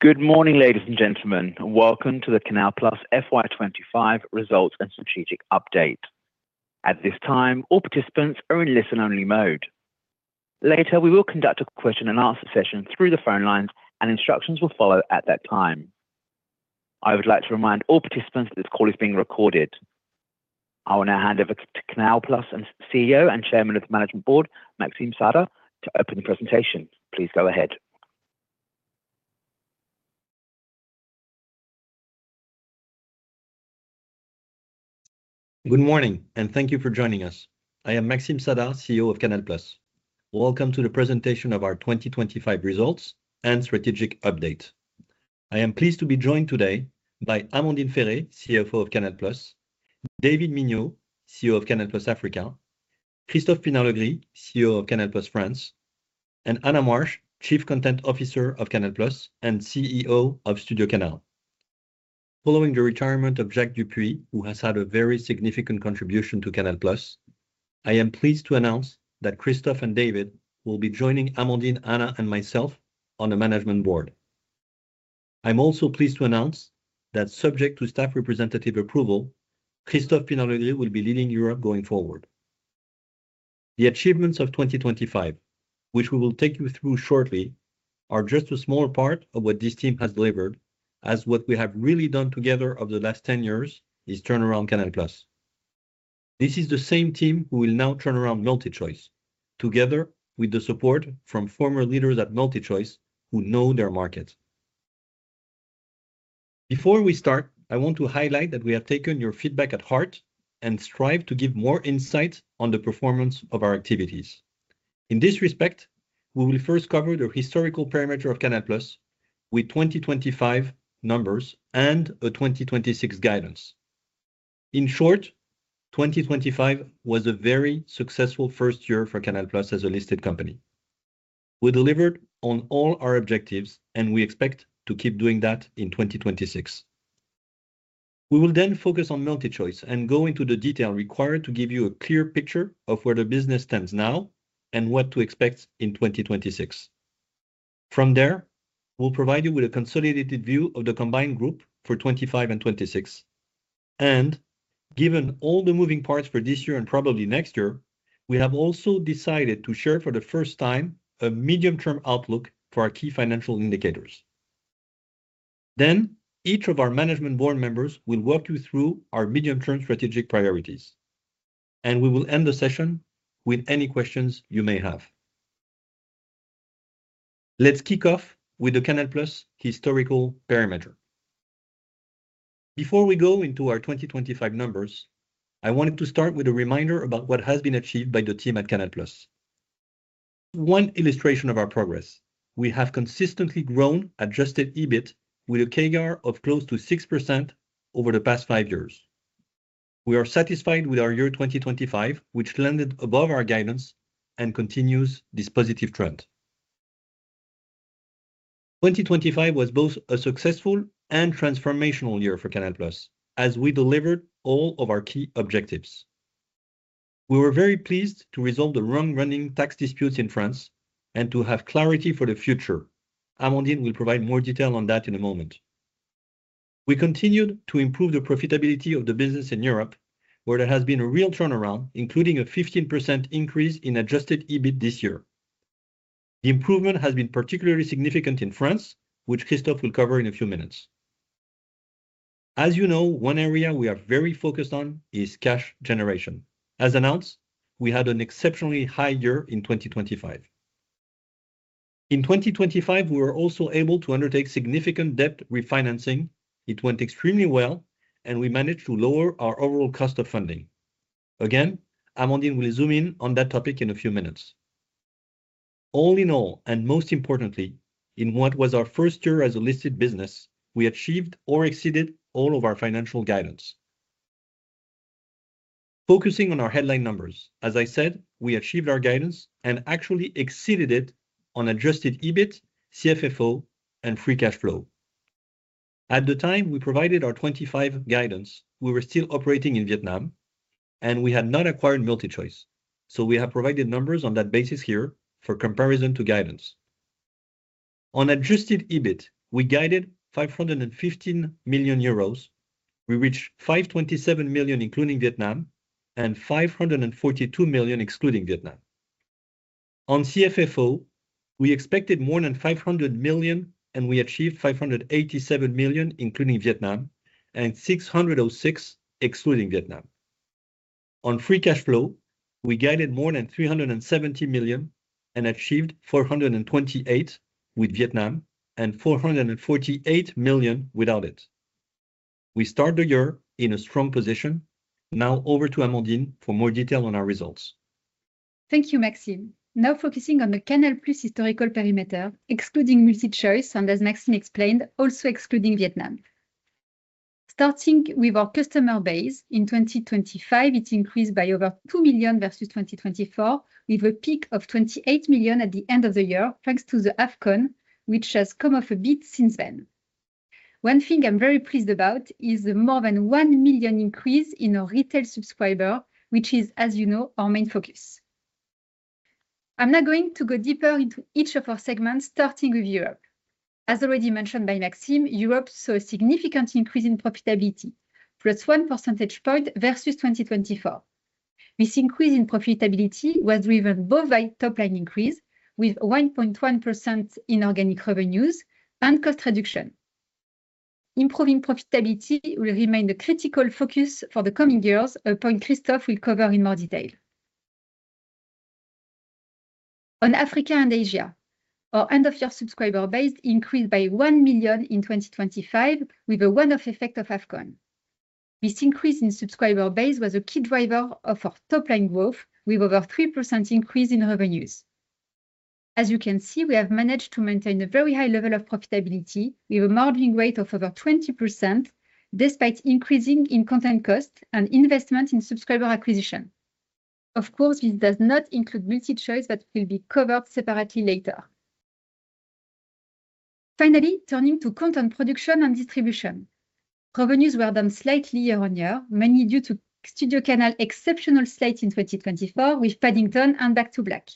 Good morning, ladies and gentlemen. Welcome to the Canal+ FY 2025 results and strategic update. At this time, all participants are in listen-only mode. Later, we will conduct a question and answer session through the phone lines, and instructions will follow at that time. I would like to remind all participants that this call is being recorded. I will now hand over to Canal+ CEO and Chairman of the Management Board, Maxime Saada, to open the presentation. Please go ahead. Good morning, and thank you for joining us. I am Maxime Saada, CEO of Canal+. Welcome to the presentation of our 2025 results and strategic update. I am pleased to be joined today by Amandine Ferré, CFO of Canal+, David Mignot, CEO of Canal+ Africa, Christophe Pinard-Legry, CEO of Canal+ France, and Anna Marsh, Chief Content Officer of Canal+ and CEO of STUDIOCANAL. Following the retirement of Jacques du Puy, who has had a very significant contribution to Canal+, I am pleased to announce that Christophe and David will be joining Amandine, Anna, and myself on the management board. I'm also pleased to announce that subject to staff representative approval, Christophe Pinard-Legry will be leading Europe going forward. The achievements of 2025, which we will take you through shortly, are just a small part of what this team has delivered, as what we have really done together over the last 10 years is turn around Canal+. This is the same team who will now turn around MultiChoice, together with the support from former leaders at MultiChoice who know their markets. Before we start, I want to highlight that we have taken your feedback at heart and strive to give more insight on the performance of our activities. In this respect, we will first cover the historical perimeter of Canal+ with 2025 numbers and a 2026 guidance. In short, 2025 was a very successful first year for Canal+ as a listed company. We delivered on all our objectives, and we expect to keep doing that in 2026. We will then focus on MultiChoice and go into the detail required to give you a clear picture of where the business stands now and what to expect in 2026. From there, we'll provide you with a consolidated view of the combined group for 2025 and 2026. Given all the moving parts for this year and probably next year, we have also decided to share for the first time a medium-term outlook for our key financial indicators. Each of our management board members will walk you through our medium-term strategic priorities, and we will end the session with any questions you may have. Let's kick off with the Canal+ historical parameters. Before we go into our 2025 numbers, I wanted to start with a reminder about what has been achieved by the team at Canal+. One illustration of our progress, we have consistently grown Adjusted EBIT with a CAGR of close to 6% over the past 5 years. We are satisfied with our year 2025, which landed above our guidance and continues this positive trend. 2025 was both a successful and transformational year for Canal+ as we delivered all of our key objectives. We were very pleased to resolve the long-running tax disputes in France and to have clarity for the future. Amandine will provide more detail on that in a moment. We continued to improve the profitability of the business in Europe, where there has been a real turnaround, including a 15% increase in Adjusted EBIT this year. The improvement has been particularly significant in France, which Christophe will cover in a few minutes. As you know, one area we are very focused on is cash generation. As announced, we had an exceptionally high year in 2025. In 2025, we were also able to undertake significant debt refinancing. It went extremely well, and we managed to lower our overall cost of funding. Again, Amandine will zoom in on that topic in a few minutes. All in all, and most importantly, in what was our first year as a listed business, we achieved or exceeded all of our financial guidance. Focusing on our headline numbers, as I said, we achieved our guidance and actually exceeded it on Adjusted EBIT, CFFO, and free cash flow. At the time we provided our 2025 guidance, we were still operating in Vietnam, and we had not acquired MultiChoice, so we have provided numbers on that basis here for comparison to guidance. On Adjusted EBIT, we guided 515 million euros. We reached 527 million, including Vietnam, and 542 million excluding Vietnam. On CFFO, we expected more than 500 million, and we achieved 587 million, including Vietnam, and 606 million excluding Vietnam. On free cash flow, we guided more than 370 million and achieved 428 million with Vietnam and 448 million without it. We start the year in a strong position. Now over to Amandine for more detail on our results. Thank you, Maxime. Now focusing on the Canal+ historical perimeter, excluding MultiChoice, and as Maxime explained, also excluding Vietnam. Starting with our customer base in 2025, it increased by over 2 million versus 2024, with a peak of 28 million at the end of the year, thanks to the AFCON, which has come off a bit since then. One thing I'm very pleased about is the more than 1 million increase in our retail subscriber, which is, as you know, our main focus. I'm now going to go deeper into each of our segments, starting with Europe. As already mentioned by Maxime, Europe saw a significant increase in profitability, +1 percentage point versus 2024. This increase in profitability was driven both by top line increase with 1.1% in organic revenues and cost reduction. Improving profitability will remain the critical focus for the coming years, a point Christophe will cover in more detail. On Africa and Asia, our end of year subscriber base increased by 1 million in 2025, with a one-off effect of AFCON. This increase in subscriber base was a key driver of our top line growth, with over 3% increase in revenues. As you can see, we have managed to maintain a very high level of profitability with a margin rate of over 20% despite increasing in content costs and investment in subscriber acquisition. Of course, this does not include MultiChoice. That will be covered separately later. Finally, turning to content production and distribution. Revenues were down slightly year-over-year, mainly due to STUDIOCANAL's exceptional slate in 2024 with Paddington and Back to Black.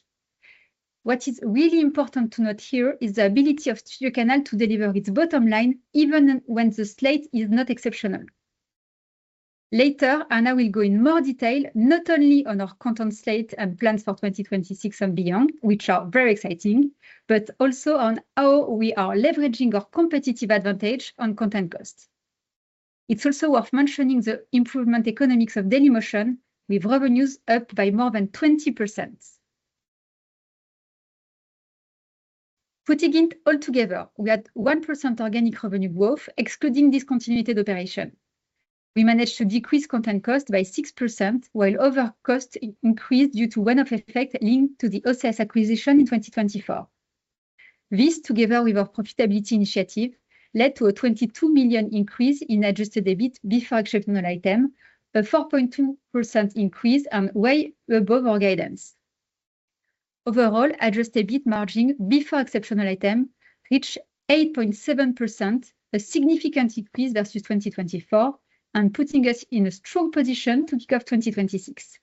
What is really important to note here is the ability of STUDIOCANAL to deliver its bottom line even when the slate is not exceptional. Later, Anna will go in more detail, not only on our content slate and plans for 2026 and beyond, which are very exciting, but also on how we are leveraging our competitive advantage on content costs. It's also worth mentioning the improved economics of Dailymotion, with revenues up by more than 20%. Putting it all together, we had 1% organic revenue growth excluding discontinued operation. We managed to decrease content cost by 6%, while other costs increased due to one-off effect linked to the OSS acquisition in 2024. This, together with our profitability initiative, led to a 22 million increase in Adjusted EBIT before exceptional item, a 4.2% increase and way above our guidance. Overall, Adjusted EBIT margin before exceptional item reached 8.7%, a significant increase versus 2024 and putting us in a strong position to kick off 2026.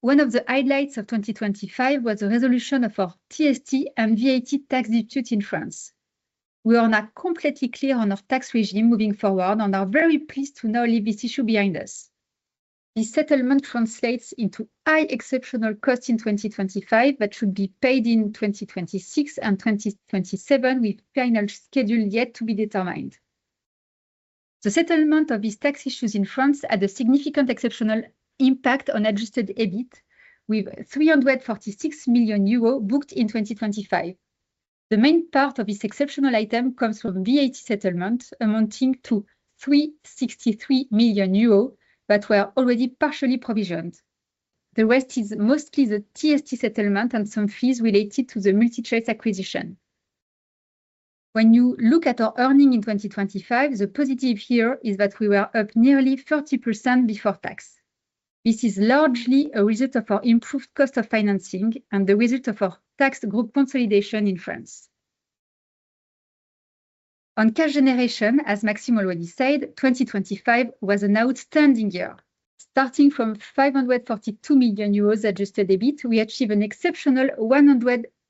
One of the highlights of 2025 was the resolution of our TST and VAT tax dispute in France. We are now completely clear on our tax regime moving forward and are very pleased to now leave this issue behind us. This settlement translates into high exceptional cost in 2025 that should be paid in 2026 and 2027, with final schedule yet to be determined. The settlement of these tax issues in France had a significant exceptional impact on Adjusted EBIT with 346 million euros booked in 2025. The main part of this exceptional item comes from VAT settlement amounting to 363 million euros that were already partially provisioned. The rest is mostly the TST settlement and some fees related to the MultiChoice acquisition. When you look at our earnings in 2025, the positive here is that we were up nearly 30% before tax. This is largely a result of our improved cost of financing and the result of our tax group consolidation in France. On cash generation, as Maxime already said, 2025 was an outstanding year. Starting from 542 million euros Adjusted EBIT, we achieved an exceptional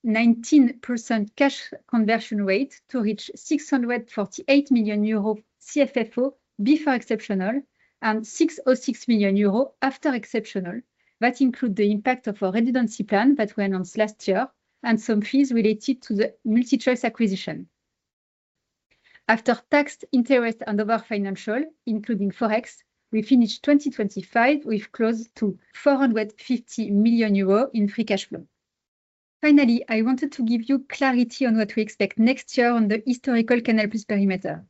119% cash conversion rate to reach 648 million euro CFFO before exceptional and 606 million euro after exceptional. That include the impact of our redundancy plan that we announced last year and some fees related to the MultiChoice acquisition. After taxed interest and other financial, including Forex, we finished 2025 with close to 450 million euros in free cash flow. Finally, I wanted to give you clarity on what to expect next year on the historical Canal+ perimeter.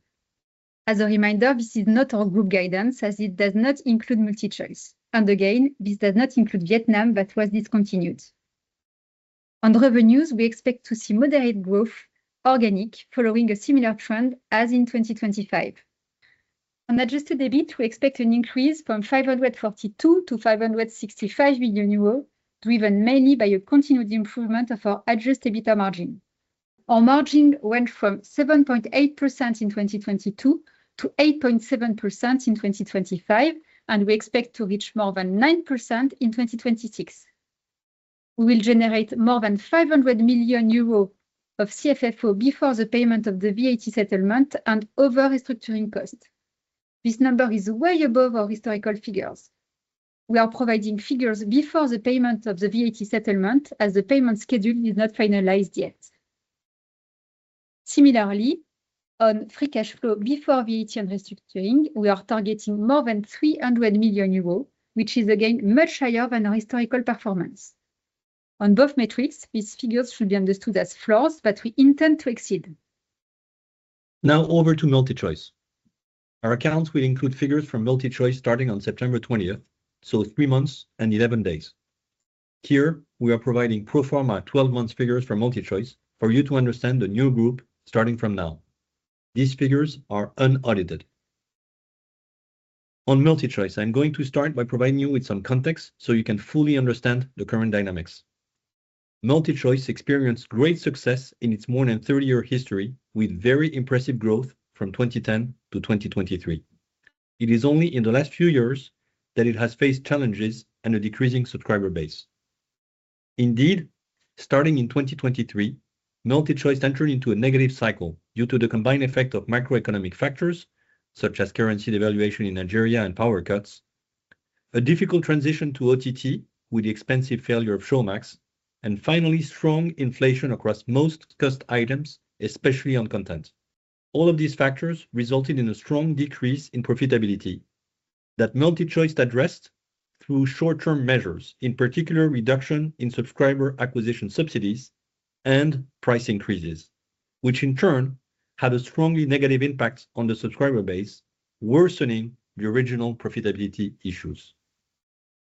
As a reminder, this is not our group guidance as it does not include MultiChoice, and again, this does not include Vietnam that was discontinued. On revenues, we expect to see moderate organic growth following a similar trend as in 2025. On Adjusted EBIT, we expect an increase from 542 million to 565 million euros, driven mainly by a continued improvement of our Adjusted EBITDA margin. Our margin went from 7.8% in 2022 to 8.7% in 2025, and we expect to reach more than 9% in 2026. We will generate more than 500 million euros of CFFO before the payment of the VAT settlement and other restructuring cost. This number is way above our historical figures. We are providing figures before the payment of the VAT settlement as the payment schedule is not finalized yet. Similarly, on free cash flow before VAT and restructuring, we are targeting more than 300 million euros, which is again much higher than our historical performance. On both metrics, these figures should be understood as floors that we intend to exceed. Now over to MultiChoice. Our accounts will include figures from MultiChoice starting on September 20th, so 3 months and 11 days. Here, we are providing pro forma 12-month figures for MultiChoice for you to understand the new group starting from now. These figures are unaudited. On MultiChoice, I'm going to start by providing you with some context so you can fully understand the current dynamics. MultiChoice experienced great success in its more than 30-year history with very impressive growth from 2010 to 2023. It is only in the last few years that it has faced challenges and a decreasing subscriber base. Indeed, starting in 2023, MultiChoice entered into a negative cycle due to the combined effect of macroeconomic factors, such as currency devaluation in Nigeria and power cuts, a difficult transition to OTT with the expensive failure of Showmax, and finally, strong inflation across most cost items, especially on content. All of these factors resulted in a strong decrease in profitability that MultiChoice addressed through short-term measures, in particular reduction in subscriber acquisition subsidies and price increases, which in turn had a strongly negative impact on the subscriber base, worsening the original profitability issues.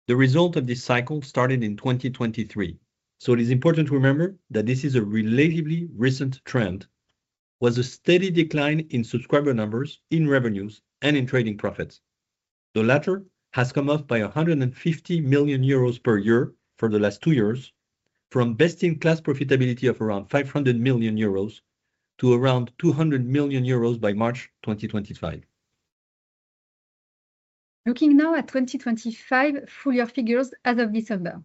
The result of this cycle started in 2023, so it is important to remember that this is a relatively recent trend, was a steady decline in subscriber numbers, in revenues, and in trading profits. The latter has come off by 150 million euros per year for the last two years from best-in-class profitability of around 500 million euros to around 200 million euros by March 2025. Looking now at 2025 full year figures as of December.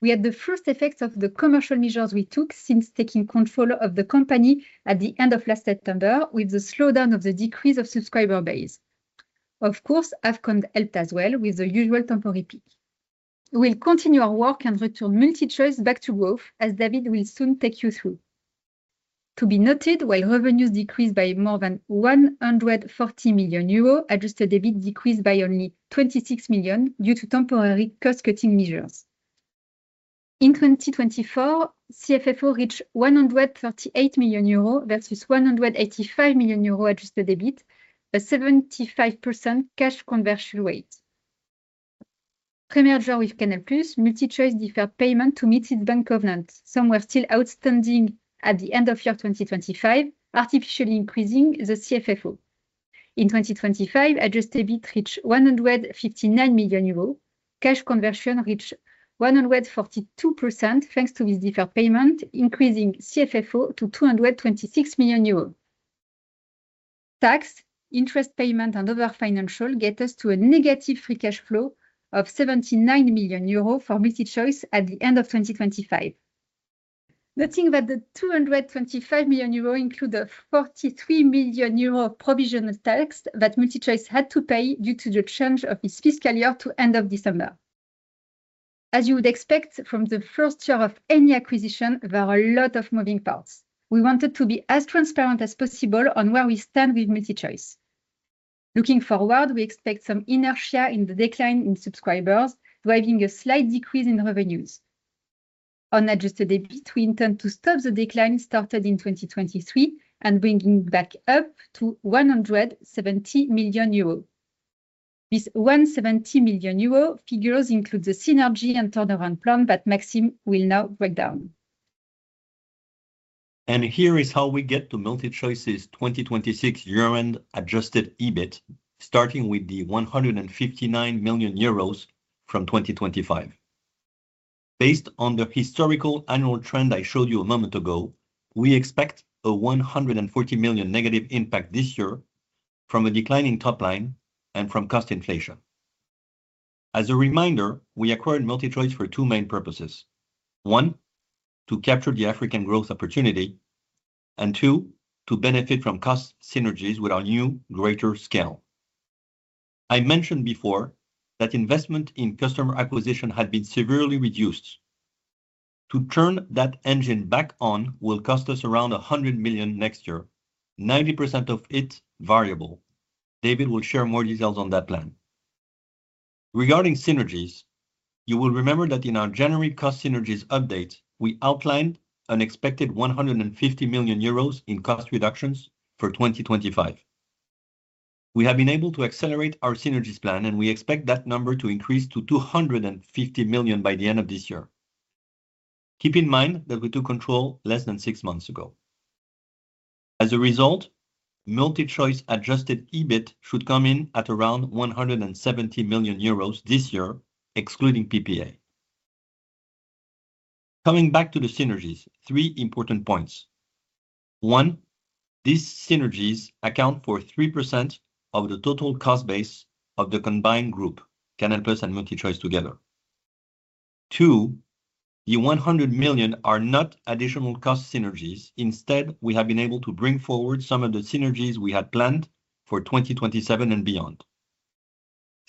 We had the first effects of the commercial measures we took since taking control of the company at the end of last September with the slowdown of the decrease of subscriber base. Of course, AFCON helped as well with the usual temporary peak. We'll continue our work and return MultiChoice back to growth, as David will soon take you through. To be noted, while revenues decreased by more than 140 million euros, Adjusted EBIT decreased by only 26 million due to temporary cost-cutting measures. In 2024, CFFO reached 138 million euro versus 185 million euro Adjusted EBIT, a 75% cash conversion rate. Pre-merger with Canal+, MultiChoice deferred payment to meet its bank covenant. Some were still outstanding at the end of year 2025, artificially increasing the CFFO. In 2025, Adjusted EBIT reached 159 million euros. Cash conversion reached 142% thanks to this deferred payment, increasing CFFO to 226 million euros. Tax, interest payment, and other financials get us to a negative free cash flow of 79 million euro for MultiChoice at the end of 2025. Noting that the 225 million euro include a 43 million euro tax provision that MultiChoice had to pay due to the change of its fiscal year to end of December. As you would expect from the first year of any acquisition, there are a lot of moving parts. We wanted to be as transparent as possible on where we stand with MultiChoice. Looking forward, we expect some inertia in the decline in subscribers, driving a slight decrease in revenues. On Adjusted EBIT, we intend to stop the decline started in 2023 and bringing back up to 170 million euros. This 170 million euro figures include the synergy and turnaround plan that Maxime will now break down. Here is how we get to MultiChoice's 2026 year-end Adjusted EBIT, starting with the 159 million euros from 2025. Based on the historical annual trend I showed you a moment ago, we expect a 140 million negative impact this year from a decline in top line and from cost inflation. As a reminder, we acquired MultiChoice for two main purposes. One, to capture the African growth opportunity, and two, to benefit from cost synergies with our new greater scale. I mentioned before that investment in customer acquisition had been severely reduced. To turn that engine back on will cost us around 100 million next year, 90% of it variable. David will share more details on that plan. Regarding synergies, you will remember that in our January cost synergies update, we outlined an expected 150 million euros in cost reductions for 2025. We have been able to accelerate our synergies plan, and we expect that number to increase to 250 million by the end of this year. Keep in mind that we took control less than six months ago. As a result, MultiChoice Adjusted EBIT should come in at around 170 million euros this year, excluding PPA. Coming back to the synergies, three important points. One, these synergies account for 3% of the total cost base of the combined group, Canal+ and MultiChoice together. Two, the 100 million are not additional cost synergies. Instead, we have been able to bring forward some of the synergies we had planned for 2027 and beyond.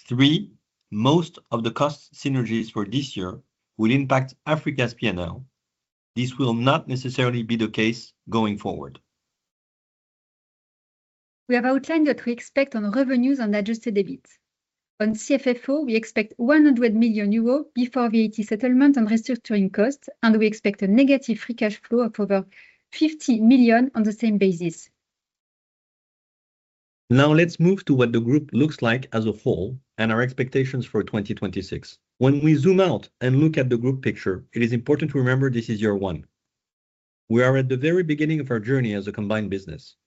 Three, most of the cost synergies for this year will impact Africa's P&L. This will not necessarily be the case going forward. We have outlined what we expect on revenues and Adjusted EBIT. On CFFO, we expect 100 million euro before VAT settlement and restructuring costs, and we expect a negative free cash flow of over 50 million on the same basis. Now let's move to what the group looks like as a whole and our expectations for 2026. When we zoom out and look at the group picture, it is important to remember this is year one. We are at the very beginning of our journey as a combined business.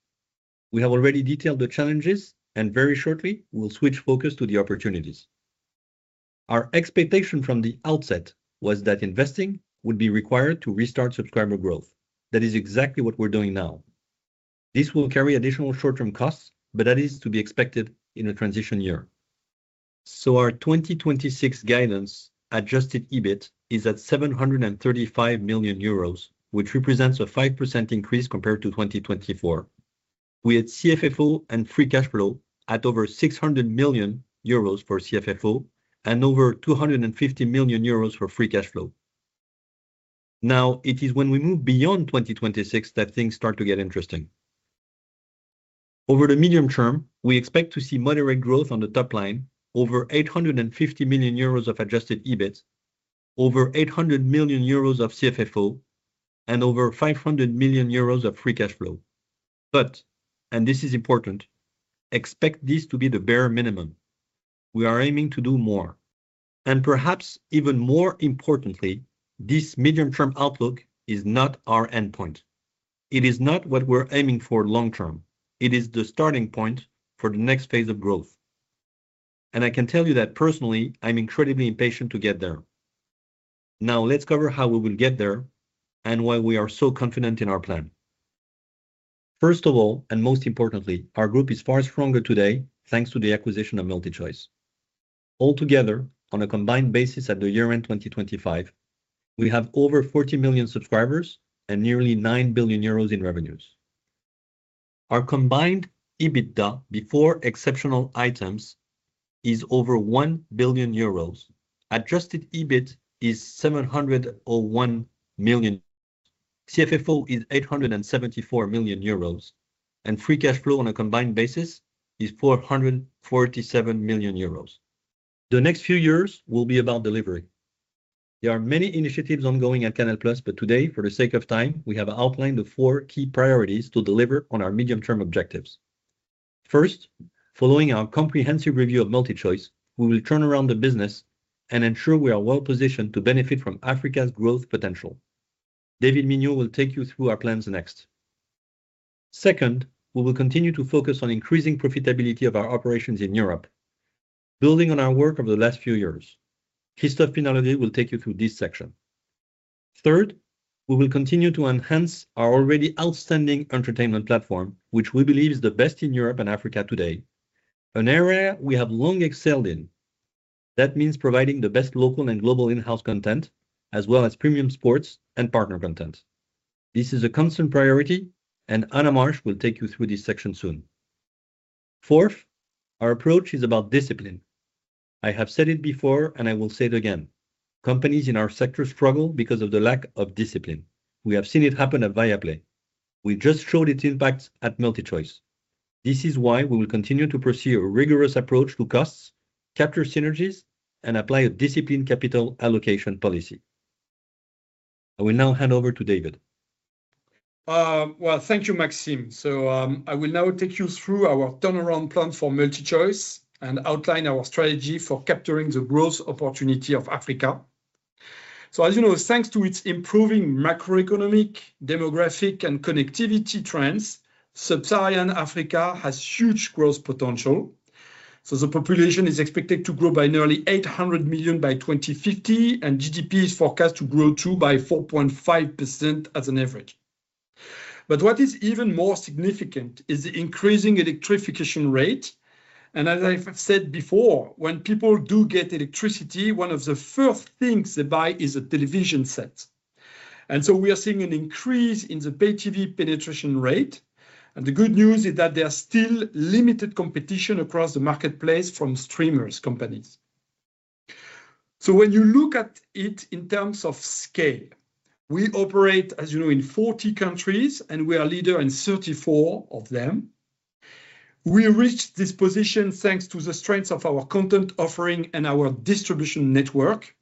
We have already detailed the challenges, and very shortly, we'll switch focus to the opportunities. Our expectation from the outset was that investing would be required to restart subscriber growth. That is exactly what we're doing now. This will carry additional short-term costs, but that is to be expected in a transition year. Our 2026 guidance Adjusted EBIT is at 735 million euros, which represents a 5% increase compared to 2024. We had CFFO and free cash flow at over 600 million euros for CFFO and over 250 million euros for free cash flow. Now it is when we move beyond 2026 that things start to get interesting. Over the medium term, we expect to see moderate growth on the top line over 850 million euros of Adjusted EBIT, over 800 million euros of CFFO, and over 500 million euros of free cash flow. and this is important, expect this to be the bare minimum. We are aiming to do more. perhaps even more importantly, this medium-term outlook is not our endpoint. It is not what we're aiming for long term. It is the starting point for the next phase of growth. I can tell you that personally, I'm incredibly impatient to get there. Now let's cover how we will get there and why we are so confident in our plan. First of all, and most importantly, our group is far stronger today, thanks to the acquisition of MultiChoice. All together on a combined basis at the year-end 2025, we have over 40 million subscribers and nearly 9 billion euros in revenues. Our combined EBITDA before exceptional items is over 1 billion euros. Adjusted EBIT is 701 million. CFFO is 874 million euros, and free cash flow on a combined basis is 447 million euros. The next few years will be about delivery. There are many initiatives ongoing at Canal+, but today, for the sake of time, we have outlined the four key priorities to deliver on our medium-term objectives. First, following our comprehensive review of MultiChoice, we will turn around the business and ensure we are well positioned to benefit from Africa's growth potential. David Mignot will take you through our plans next. Second, we will continue to focus on increasing profitability of our operations in Europe, building on our work over the last few years. Christophe Pinard-Legry will take you through this section. Third, we will continue to enhance our already outstanding entertainment platform, which we believe is the best in Europe and Africa today, an area we have long excelled in. That means providing the best local and global in-house content as well as premium sports and partner content. This is a constant priority, and Anna Marsh will take you through this section soon. Fourth, our approach is about discipline. I have said it before, and I will say it again, companies in our sector struggle because of the lack of discipline. We have seen it happen at Viaplay. We just showed its impact at MultiChoice. This is why we will continue to pursue a rigorous approach to costs, capture synergies, and apply a disciplined capital allocation policy. I will now hand over to David. Well, thank you, Maxime. I will now take you through our turnaround plan for MultiChoice and outline our strategy for capturing the growth opportunity of Africa. As you know, thanks to its improving macroeconomic, demographic, and connectivity trends, Sub-Saharan Africa has huge growth potential. The population is expected to grow by nearly 800 million by 2050, and GDP is forecast to grow too by 4.5% as an average. What is even more significant is the increasing electrification rate. As I've said before, when people do get electricity, one of the first things they buy is a television set. We are seeing an increase in the pay TV penetration rate, and the good news is that there are still limited competition across the marketplace from streaming companies. When you look at it in terms of scale, we operate, as you know, in 40 countries, and we are leader in 34 of them. We reached this position thanks to the strength of our content offering and our distribution network.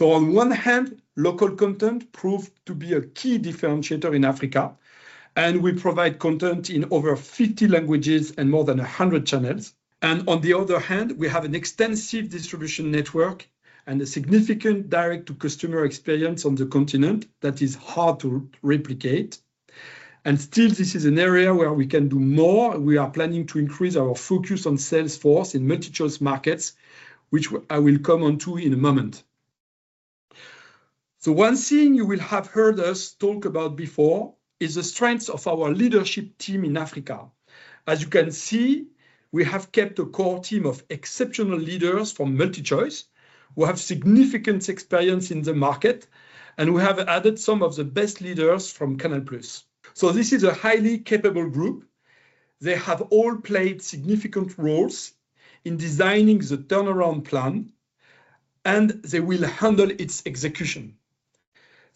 On one hand, local content proved to be a key differentiator in Africa, and we provide content in over 50 languages and more than 100 channels. On the other hand, we have an extensive distribution network and a significant direct-to-customer experience on the continent that is hard to replicate. Still, this is an area where we can do more. We are planning to increase our focus on sales force in MultiChoice markets, which I will come on to in a moment. The one thing you will have heard us talk about before is the strength of our leadership team in Africa. As you can see, we have kept a core team of exceptional leaders from MultiChoice who have significant experience in the market, and we have added some of the best leaders from Canal+. This is a highly capable group. They have all played significant roles in designing the turnaround plan, and they will handle its execution.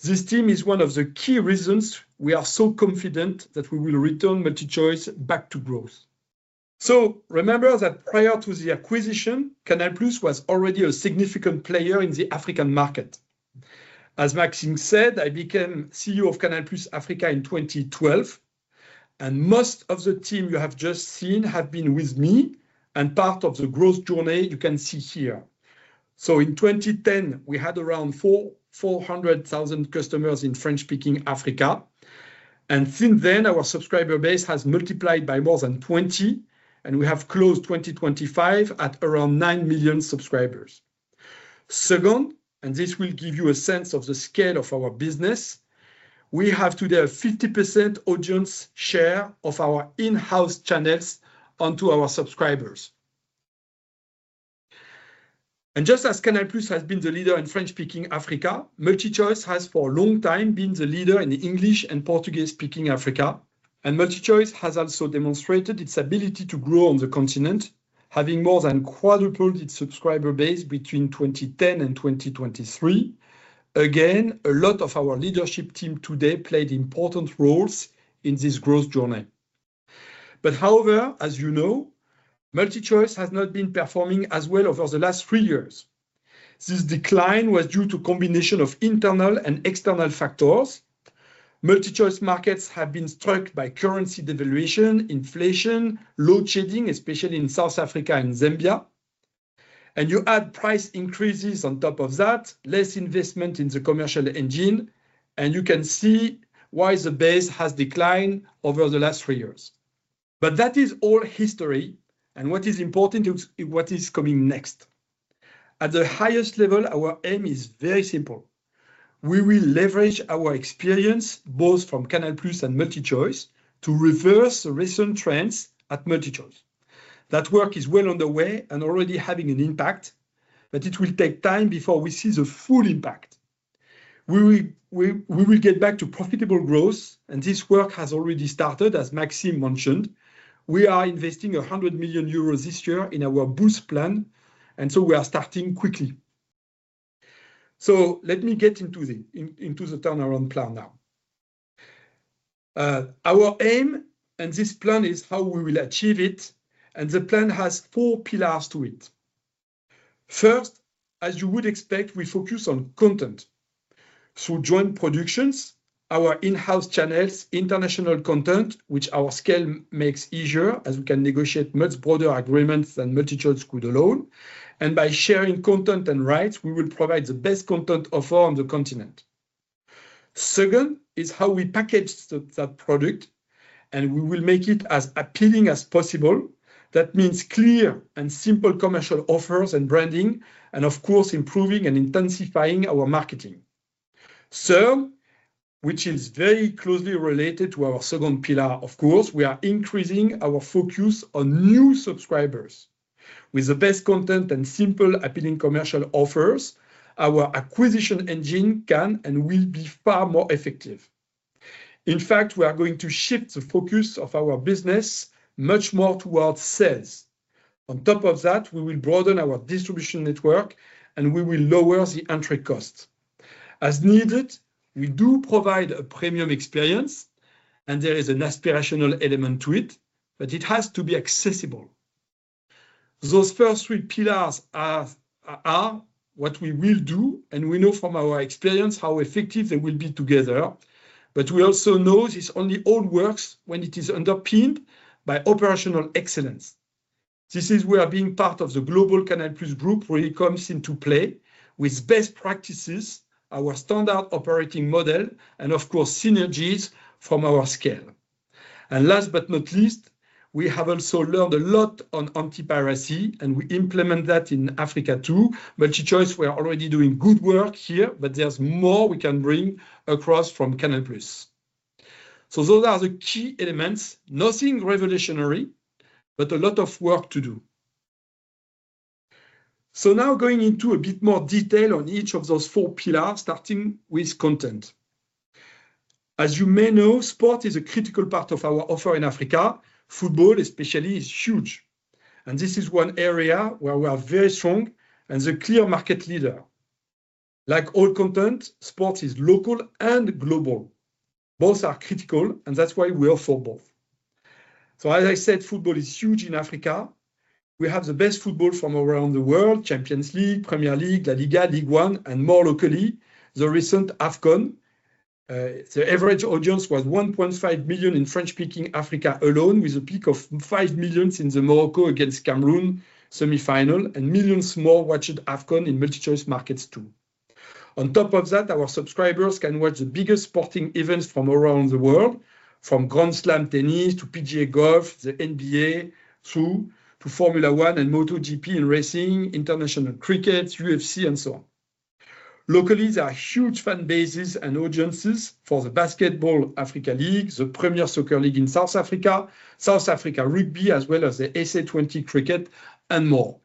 This team is one of the key reasons we are so confident that we will return MultiChoice back to growth. Remember that prior to the acquisition, Canal+ was already a significant player in the African market. As Maxime said, I became CEO of Canal+ Africa in 2012, and most of the team you have just seen have been with me and part of the growth journey you can see here. In 2010, we had around 400,000 customers in French-speaking Africa. Since then, our subscriber base has multiplied by more than 20, and we have closed 2025 at around 9 million subscribers. Second, this will give you a sense of the scale of our business, we have today a 50% audience share of our in-house channels onto our subscribers. Just as Canal+ has been the leader in French-speaking Africa, MultiChoice has for a long time been the leader in the English and Portuguese-speaking Africa. MultiChoice has also demonstrated its ability to grow on the continent, having more than quadrupled its subscriber base between 2010 and 2023. Again, a lot of our leadership team today played important roles in this growth journey. However, as you know, MultiChoice has not been performing as well over the last 3 years. This decline was due to a combination of internal and external factors. MultiChoice markets have been struck by currency devaluation, inflation, load shedding, especially in South Africa and Zambia. You add price increases on top of that, less investment in the commercial engine, and you can see why the base has declined over the last three years. That is all history, and what is important is what is coming next. At the highest level, our aim is very simple. We will leverage our experience, both from Canal+ and MultiChoice, to reverse the recent trends at MultiChoice. That work is well underway and already having an impact, but it will take time before we see the full impact. We will get back to profitable growth, and this work has already started, as Maxime mentioned. We are investing 100 million euros this year in our boost plan, and so we are starting quickly. Let me get into the turnaround plan now. Our aim, and this plan is how we will achieve it, and the plan has four pillars to it. First, as you would expect, we focus on content. Through joint productions, our in-house channels, international content, which our scale makes easier as we can negotiate much broader agreements than MultiChoice could alone. By sharing content and rights, we will provide the best content offer on the continent. Second is how we package that product, and we will make it as appealing as possible. That means clear and simple commercial offers and branding and of course, improving and intensifying our marketing. Third, which is very closely related to our second pillar, of course, we are increasing our focus on new subscribers. With the best content and simple appealing commercial offers, our acquisition engine can and will be far more effective. In fact, we are going to shift the focus of our business much more towards sales. On top of that, we will broaden our distribution network, and we will lower the entry cost. As needed, we do provide a premium experience, and there is an aspirational element to it, but it has to be accessible. Those first three pillars are what we will do, and we know from our experience how effective they will be together. We also know this only all works when it is underpinned by operational excellence. This is where being part of the global Canal+ group really comes into play with best practices, our standard operating model, and of course synergies from our scale. Last but not least, we have also learned a lot on anti-piracy, and we implement that in Africa too. MultiChoice were already doing good work here, but there's more we can bring across from Canal+. Those are the key elements. Nothing revolutionary, but a lot of work to do. Now going into a bit more detail on each of those four pillars, starting with content. As you may know, sport is a critical part of our offer in Africa. Football especially is huge, and this is one area where we are very strong and the clear market leader. Like all content, sport is local and global. Both are critical, and that's why we offer both. As I said, football is huge in Africa. We have the best football from around the world, Champions League, Premier League, La Liga, Ligue 1, and more locally, the recent AFCON. The average audience was 1.5 million in French-speaking Africa alone, with a peak of 5 million in the Morocco against Cameroon semifinal, and millions more watched AFCON in MultiChoice markets too. On top of that, our subscribers can watch the biggest sporting events from around the world, from Grand Slam tennis to PGA golf, the NBA through to Formula One and MotoGP and racing, international cricket, UFC, and so on. Locally, there are huge fan bases and audiences for the Basketball Africa League, the Premier Soccer League in South Africa, South Africa rugby, as well as the SA20 cricket, and more.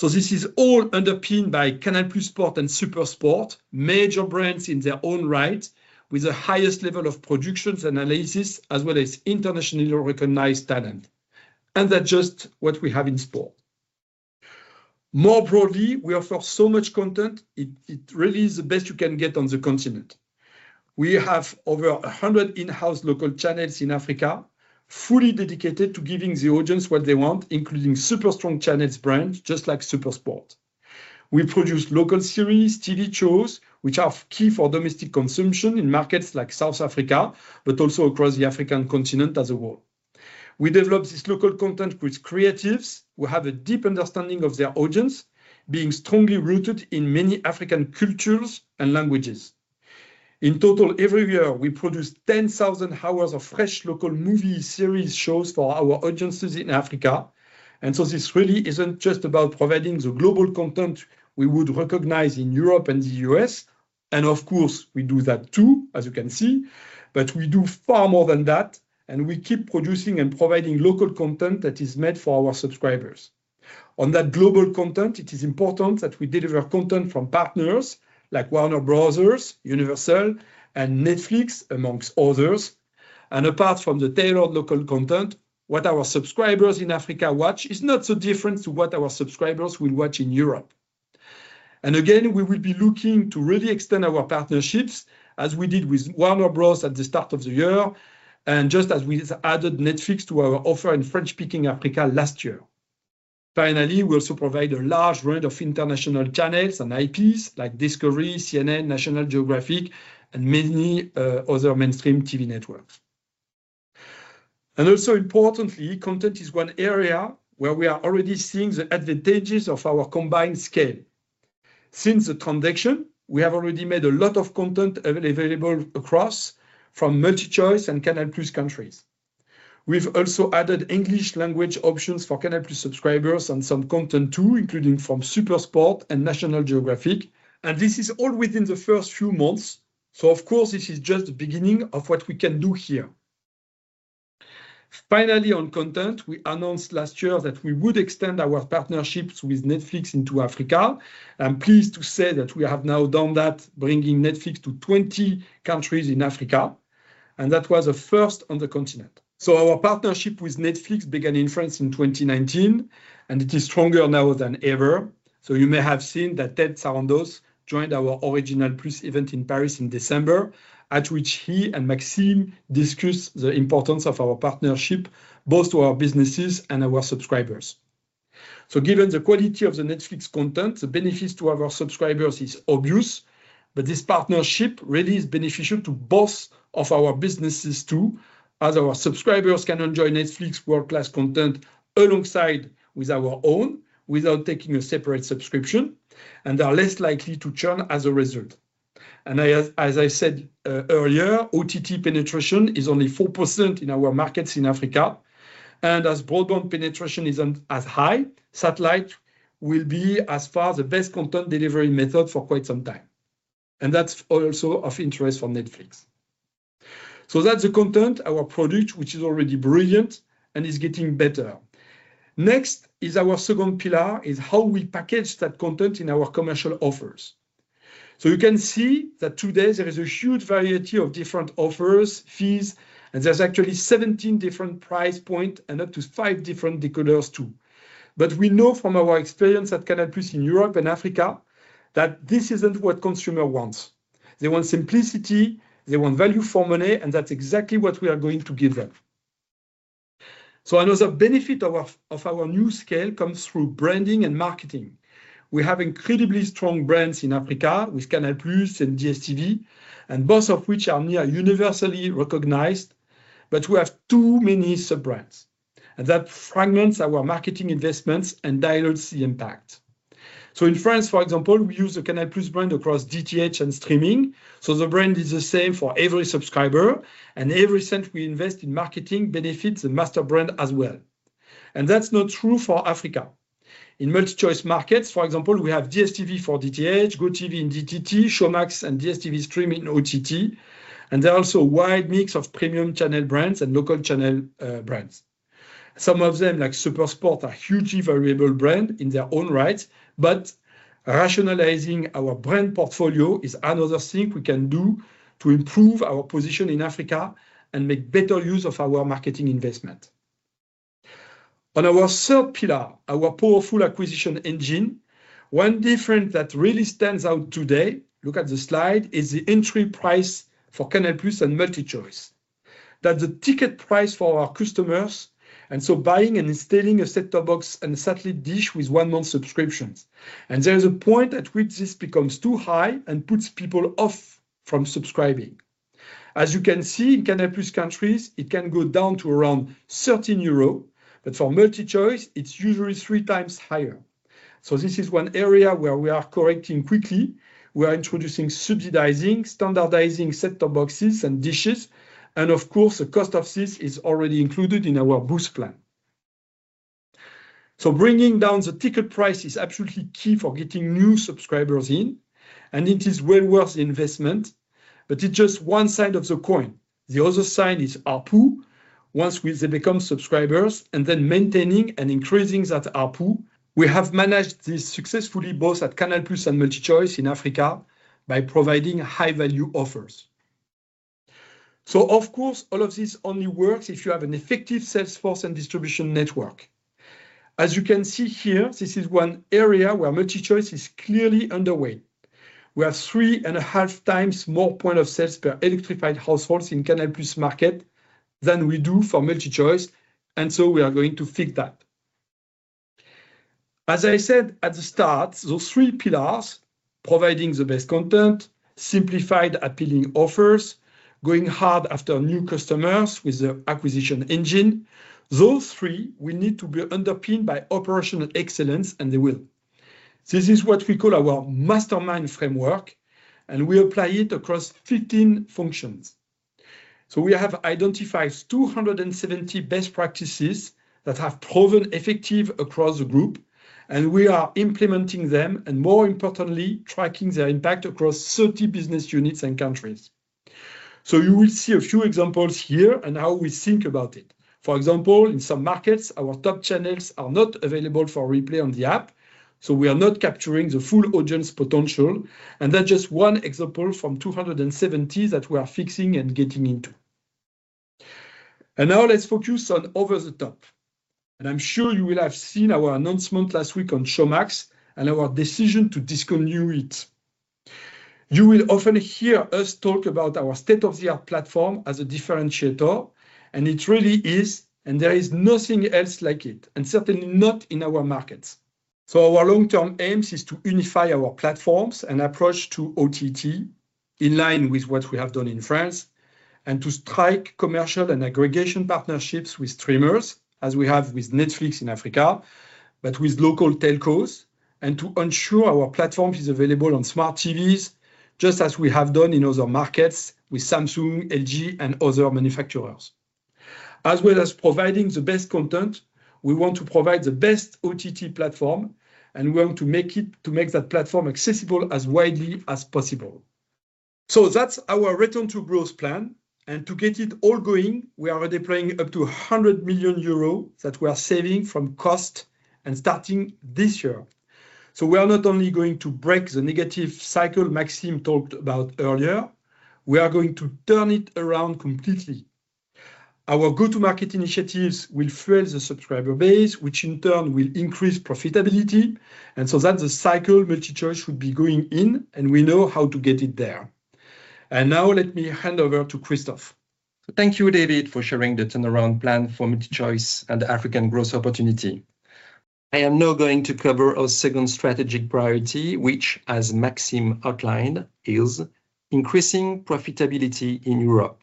This is all underpinned by Canal+ Sport and SuperSport, major brands in their own right, with the highest level of productions, analysis, as well as internationally recognized talent. That's just what we have in sport. More broadly, we offer so much content. It really is the best you can get on the continent. We have over 100 in-house local channels in Africa fully dedicated to giving the audience what they want, including super strong channel brands, just like SuperSport. We produce local series, TV shows, which are key for domestic consumption in markets like South Africa, but also across the African continent as a whole. We developed this local content with creatives who have a deep understanding of their audience, being strongly rooted in many African cultures and languages. In total, every year, we produce 10,000 hours of fresh local movie series shows for our audiences in Africa. This really isn't just about providing the global content we would recognize in Europe and the U.S., and of course, we do that too, as you can see, but we do far more than that, and we keep producing and providing local content that is made for our subscribers. On that global content, it is important that we deliver content from partners like Warner Bros., Universal, and Netflix, among others. Apart from the tailored local content, what our subscribers in Africa watch is not so different to what our subscribers will watch in Europe. Again, we will be looking to really extend our partnerships as we did with Warner Bros. at the start of the year, and just as we added Netflix to our offer in French-speaking Africa last year. Finally, we also provide a large range of international channels and IPs like Discovery, CNN, National Geographic, and many other mainstream TV networks. Also importantly, content is one area where we are already seeing the advantages of our combined scale. Since the transaction, we have already made a lot of content available across from MultiChoice and Canal+ countries. We've also added English language options for Canal+ subscribers on some content too, including from SuperSport and National Geographic, and this is all within the first few months. Of course, this is just the beginning of what we can do here. Finally, on content, we announced last year that we would extend our partnerships with Netflix into Africa. I'm pleased to say that we have now done that, bringing Netflix to 20 countries in Africa, and that was a first on the continent. Our partnership with Netflix began in France in 2019, and it is stronger now than ever. You may have seen that Ted Sarandos joined our Original+ event in Paris in December, at which he and Maxime Saada discussed the importance of our partnership, both to our businesses and our subscribers. Given the quality of the Netflix content, the benefits to our subscribers is obvious. This partnership really is beneficial to both of our businesses too, as our subscribers can enjoy Netflix world-class content alongside with our own without taking a separate subscription and are less likely to churn as a result. OTT penetration is only 4% in our markets in Africa, and as broadband penetration isn't as high, satellite will be by far the best content delivery method for quite some time, and that's also of interest for Netflix. That's the content, our product, which is already brilliant and is getting better. Next is our second pillar, how we package that content in our commercial offers. You can see that today there is a huge variety of different offers, tiers, and there's actually 17 different price points and up to 5 different decoders too. We know from our experience at Canal+ in Europe and Africa that this isn't what consumer wants. They want simplicity, they want value for money, and that's exactly what we are going to give them. Another benefit of our new scale comes through branding and marketing. We have incredibly strong brands in Africa with Canal+ and DStv, both of which are nearly universally recognized. We have too many sub-brands, and that fragments our marketing investments and dilutes the impact. In France, for example, we use the Canal+ brand across DTH and streaming, so the brand is the same for every subscriber and every cent we invest in marketing benefits the master brand as well. That's not true for Africa. In MultiChoice markets, for example, we have DStv for DTH, GOtv in DTT, Showmax and DStv Stream in OTT, and there are also a wide mix of premium channel brands and local channel brands. Some of them, like SuperSport, are hugely valuable brand in their own right, but rationalizing our brand portfolio is another thing we can do to improve our position in Africa and make better use of our marketing investment. On our third pillar, our powerful acquisition engine, one difference that really stands out today, look at the slide, is the entry price for Canal+ and MultiChoice. That's the ticket price for our customers, and so buying and installing a set-top box and satellite dish with one month subscriptions. There is a point at which this becomes too high and puts people off from subscribing. As you can see, in Canal+ countries, it can go down to around 40 euro, but for MultiChoice, it's usually 3x higher. This is one area where we are correcting quickly. We are introducing subsidizing, standardizing set-top boxes and dishes, and of course, the cost of this is already included in our Boost plan. Bringing down the ticket price is absolutely key for getting new subscribers in, and it is well worth the investment, but it's just one side of the coin. The other side is ARPU. Once they become subscribers and then maintaining and increasing that ARPU, we have managed this successfully both at Canal+ and MultiChoice in Africa by providing high-value offers. Of course, all of this only works if you have an effective sales force and distribution network. As you can see here, this is one area where MultiChoice is clearly underway. We have 3.5x more points of sale per electrified household in Canal+ market than we do for MultiChoice, and we are going to fix that. As I said at the start, those three pillars, providing the best content, simplified appealing offers, going hard after new customers with the acquisition engine, those three will need to be underpinned by operational excellence, and they will. This is what we call our Mastermind framework, and we apply it across 15 functions. We have identified 270 best practices that have proven effective across the group, and we are implementing them and, more importantly, tracking their impact across 30 business units and countries. You will see a few examples here and how we think about it. For example, in some markets, our top channels are not available for replay on the app, so we are not capturing the full audience potential, and that's just one example from 270 that we are fixing and getting into. Now let's focus on over-the-top. I'm sure you will have seen our announcement last week on Showmax and our decision to discontinue it. You will often hear us talk about our state-of-the-art platform as a differentiator, and it really is, and there is nothing else like it, and certainly not in our markets. Our long-term aims is to unify our platforms and approach to OTT in line with what we have done in France and to strike commercial and aggregation partnerships with streamers, as we have with Netflix in Africa, but with local telcos, and to ensure our platform is available on smart TVs, just as we have done in other markets with Samsung, LG, and other manufacturers. As well as providing the best content, we want to provide the best OTT platform, and we want to make that platform accessible as widely as possible. That's our return to growth plan. To get it all going, we are already deploying up to 100 million euros that we are saving from cost and starting this year. We are not only going to break the negative cycle Maxime talked about earlier, we are going to turn it around completely. Our go-to-market initiatives will fuel the subscriber base, which in turn will increase profitability. That's the cycle MultiChoice should be going in, and we know how to get it there. Now let me hand over to Christophe. Thank you, David, for sharing the turnaround plan for MultiChoice and the African growth opportunity. I am now going to cover our second strategic priority, which, as Maxime outlined, is increasing profitability in Europe.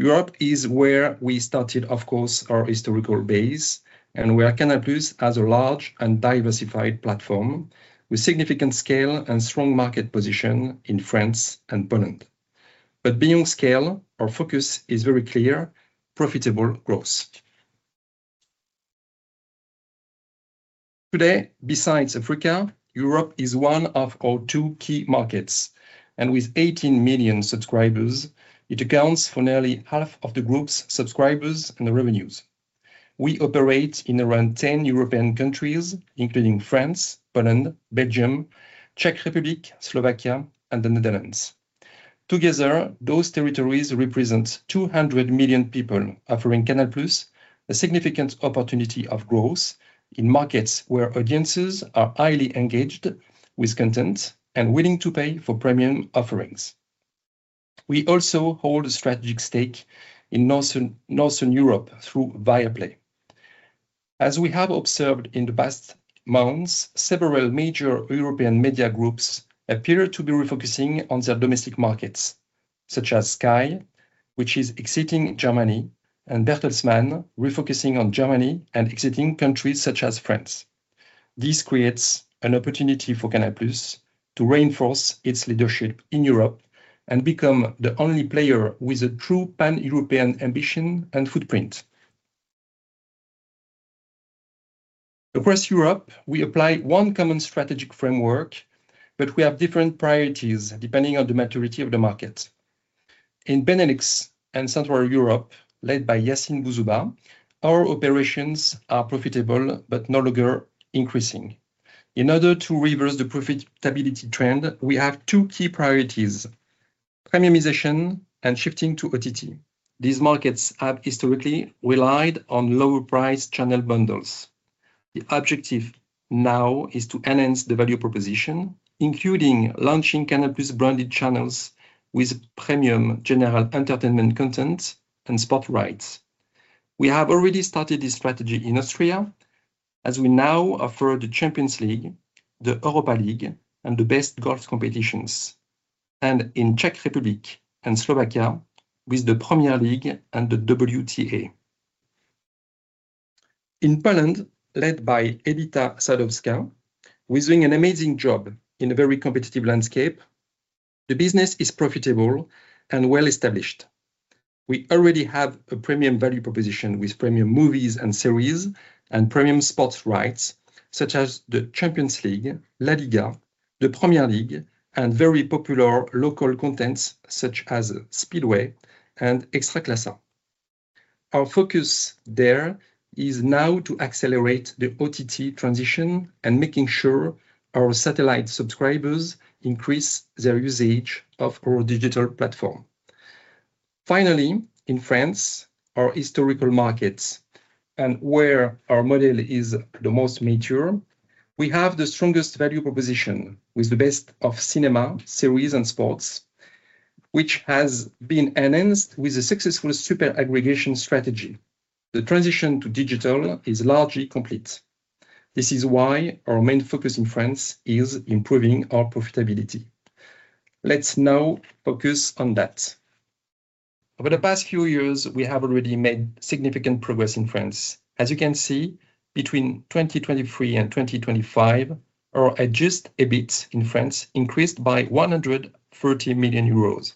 Europe is where we started, of course, our historical base and where Canal+ has a large and diversified platform with significant scale and strong market position in France and Poland. Beyond scale, our focus is very clear. Profitable growth. Today, besides Africa, Europe is one of our two key markets, and with 18 million subscribers, it accounts for nearly half of the group's subscribers and the revenues. We operate in around 10 European countries, including France, Poland, Belgium, Czech Republic, Slovakia, and the Netherlands. Together, those territories represent 200 million people, offering Canal+ a significant opportunity of growth in markets where audiences are highly engaged with content and willing to pay for premium offerings. We also hold a strategic stake in Northern Europe through Viaplay. As we have observed in the past months, several major European media groups appear to be refocusing on their domestic markets, such as Sky, which is exiting Germany, and Bertelsmann refocusing on Germany and exiting countries such as France. This creates an opportunity for Canal+ to reinforce its leadership in Europe and become the only player with a true Pan-European ambition and footprint. Across Europe, we apply one common strategic framework, but we have different priorities depending on the maturity of the market. In Benelux and Central Europe, led by Yacine Bouzoubaa, our operations are profitable but no longer increasing. In order to reverse the profitability trend, we have two key priorities, premiumization and shifting to OTT. These markets have historically relied on lower-priced channel bundles. The objective now is to enhance the value proposition, including launching Canal+ branded channels with premium general entertainment content and sport rights. We have already started this strategy in Austria, as we now offer the Champions League, the Europa League, and the best golf competitions, and in Czech Republic and Slovakia with the Premier League and the WTA. In Poland, led by Edyta Sadowska, who is doing an amazing job in a very competitive landscape, the business is profitable and well established. We already have a premium value proposition with premium movies and series and premium sports rights, such as the Champions League, LaLiga, the Premier League, and very popular local content such as Speedway and Ekstraklasa. Our focus there is now to accelerate the OTT transition and making sure our satellite subscribers increase their usage of our digital platform. Finally, in France, our historical markets and where our model is the most mature, we have the strongest value proposition with the best of cinema, series, and sports. Which has been enhanced with a successful super aggregation strategy. The transition to digital is largely complete. This is why our main focus in France is improving our profitability. Let's now focus on that. Over the past few years, we have already made significant progress in France. As you can see, between 2023 and 2025, our Adjusted EBIT in France increased by 130 million euros.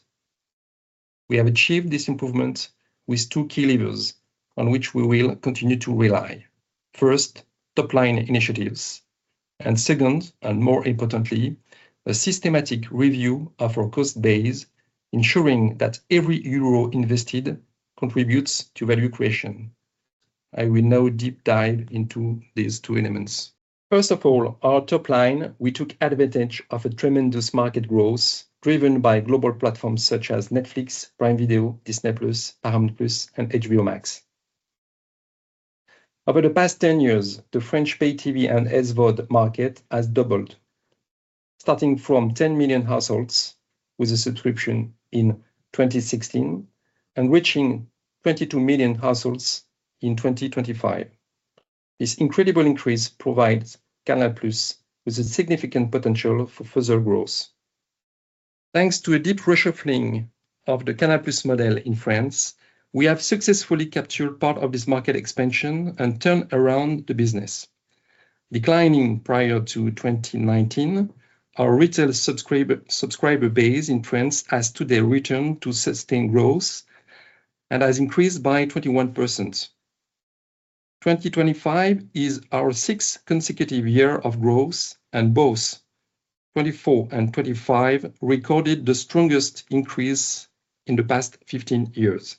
We have achieved this improvement with two key levers on which we will continue to rely. First, top-line initiatives. Second, and more importantly, a systematic review of our cost base, ensuring that every euro invested contributes to value creation. I will now deep dive into these two elements. First of all, our top line, we took advantage of a tremendous market growth driven by global platforms such as Netflix, Prime Video, Disney+, Paramount+, and HBO Max. Over the past 10 years, the French pay TV and SVOD market has doubled, starting from 10 million households with a subscription in 2016 and reaching 22 million households in 2025. This incredible increase provides Canal+ with a significant potential for further growth. Thanks to a deep reshuffling of the Canal+ model in France, we have successfully captured part of this market expansion and turned around the business. Declining prior to 2019, our retail subscriber base in France has today returned to sustained growth and has increased by 21%. 2025 is our sixth consecutive year of growth, and both 2024 and 2025 recorded the strongest increase in the past 15 years.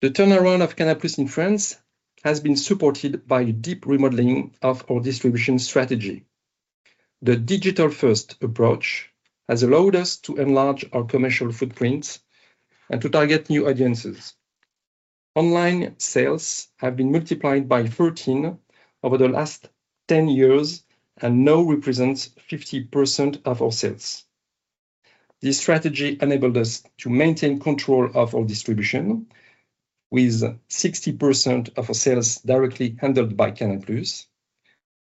The turnaround of Canal+ in France has been supported by deep remodeling of our distribution strategy. The digital-first approach has allowed us to enlarge our commercial footprint and to target new audiences. Online sales have been multiplied by 13 over the last 10 years and now represents 50% of our sales. This strategy enabled us to maintain control of our distribution, with 60% of our sales directly handled by Canal+.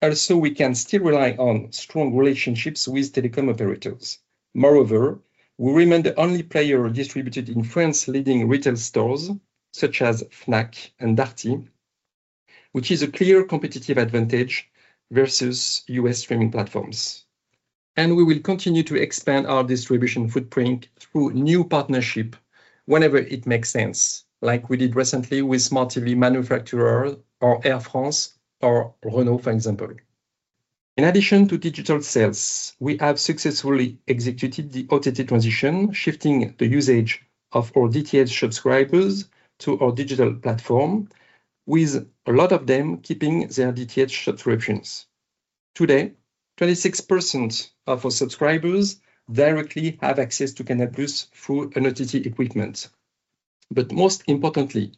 Also, we can still rely on strong relationships with telecom operators. Moreover, we remain the only player distributed in France's leading retail stores such as Fnac and Darty, which is a clear competitive advantage versus U.S. streaming platforms. We will continue to expand our distribution footprint through new partnership whenever it makes sense, like we did recently with smart TV manufacturer or Air France or Renault, for example. In addition to digital sales, we have successfully executed the OTT transition, shifting the usage of our DTH subscribers to our digital platform with a lot of them keeping their DTH subscriptions. Today, 26% of our subscribers directly have access to Canal+ through an OTT equipment. Most importantly,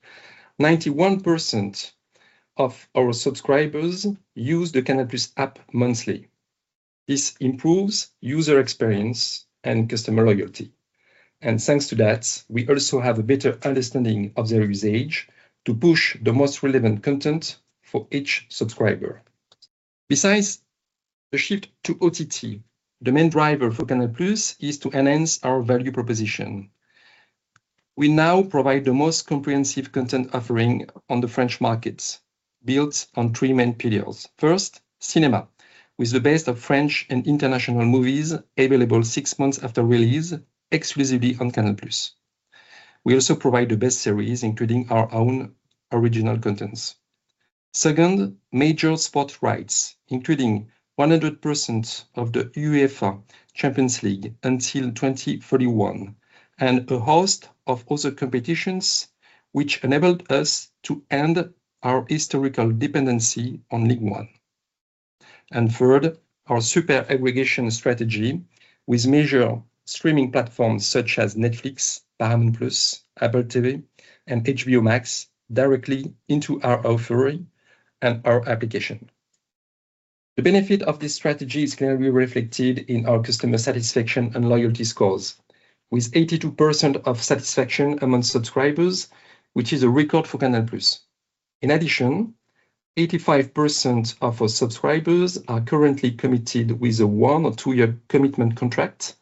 91% of our subscribers use the Canal+ app monthly. This improves user experience and customer loyalty. Thanks to that, we also have a better understanding of their usage to push the most relevant content for each subscriber. Besides the shift to OTT, the main driver for Canal+ is to enhance our value proposition. We now provide the most comprehensive content offering on the French markets, built on three main pillars. First, cinema, with the best of French and international movies available six months after release exclusively on Canal+. We also provide the best series, including our own original contents. Second, major sport rights, including 100% of the UEFA Champions League until 2041, and a host of other competitions which enabled us to end our historical dependency on Ligue 1. Third, our super aggregation strategy with major streaming platforms such as Netflix, Paramount+, Apple TV, and HBO Max directly into our offering and our application. The benefit of this strategy is gonna be reflected in our customer satisfaction and loyalty scores. With 82% satisfaction among subscribers, which is a record for Canal+. In addition, 85% of our subscribers are currently committed with a 1- or 2-year commitment contract.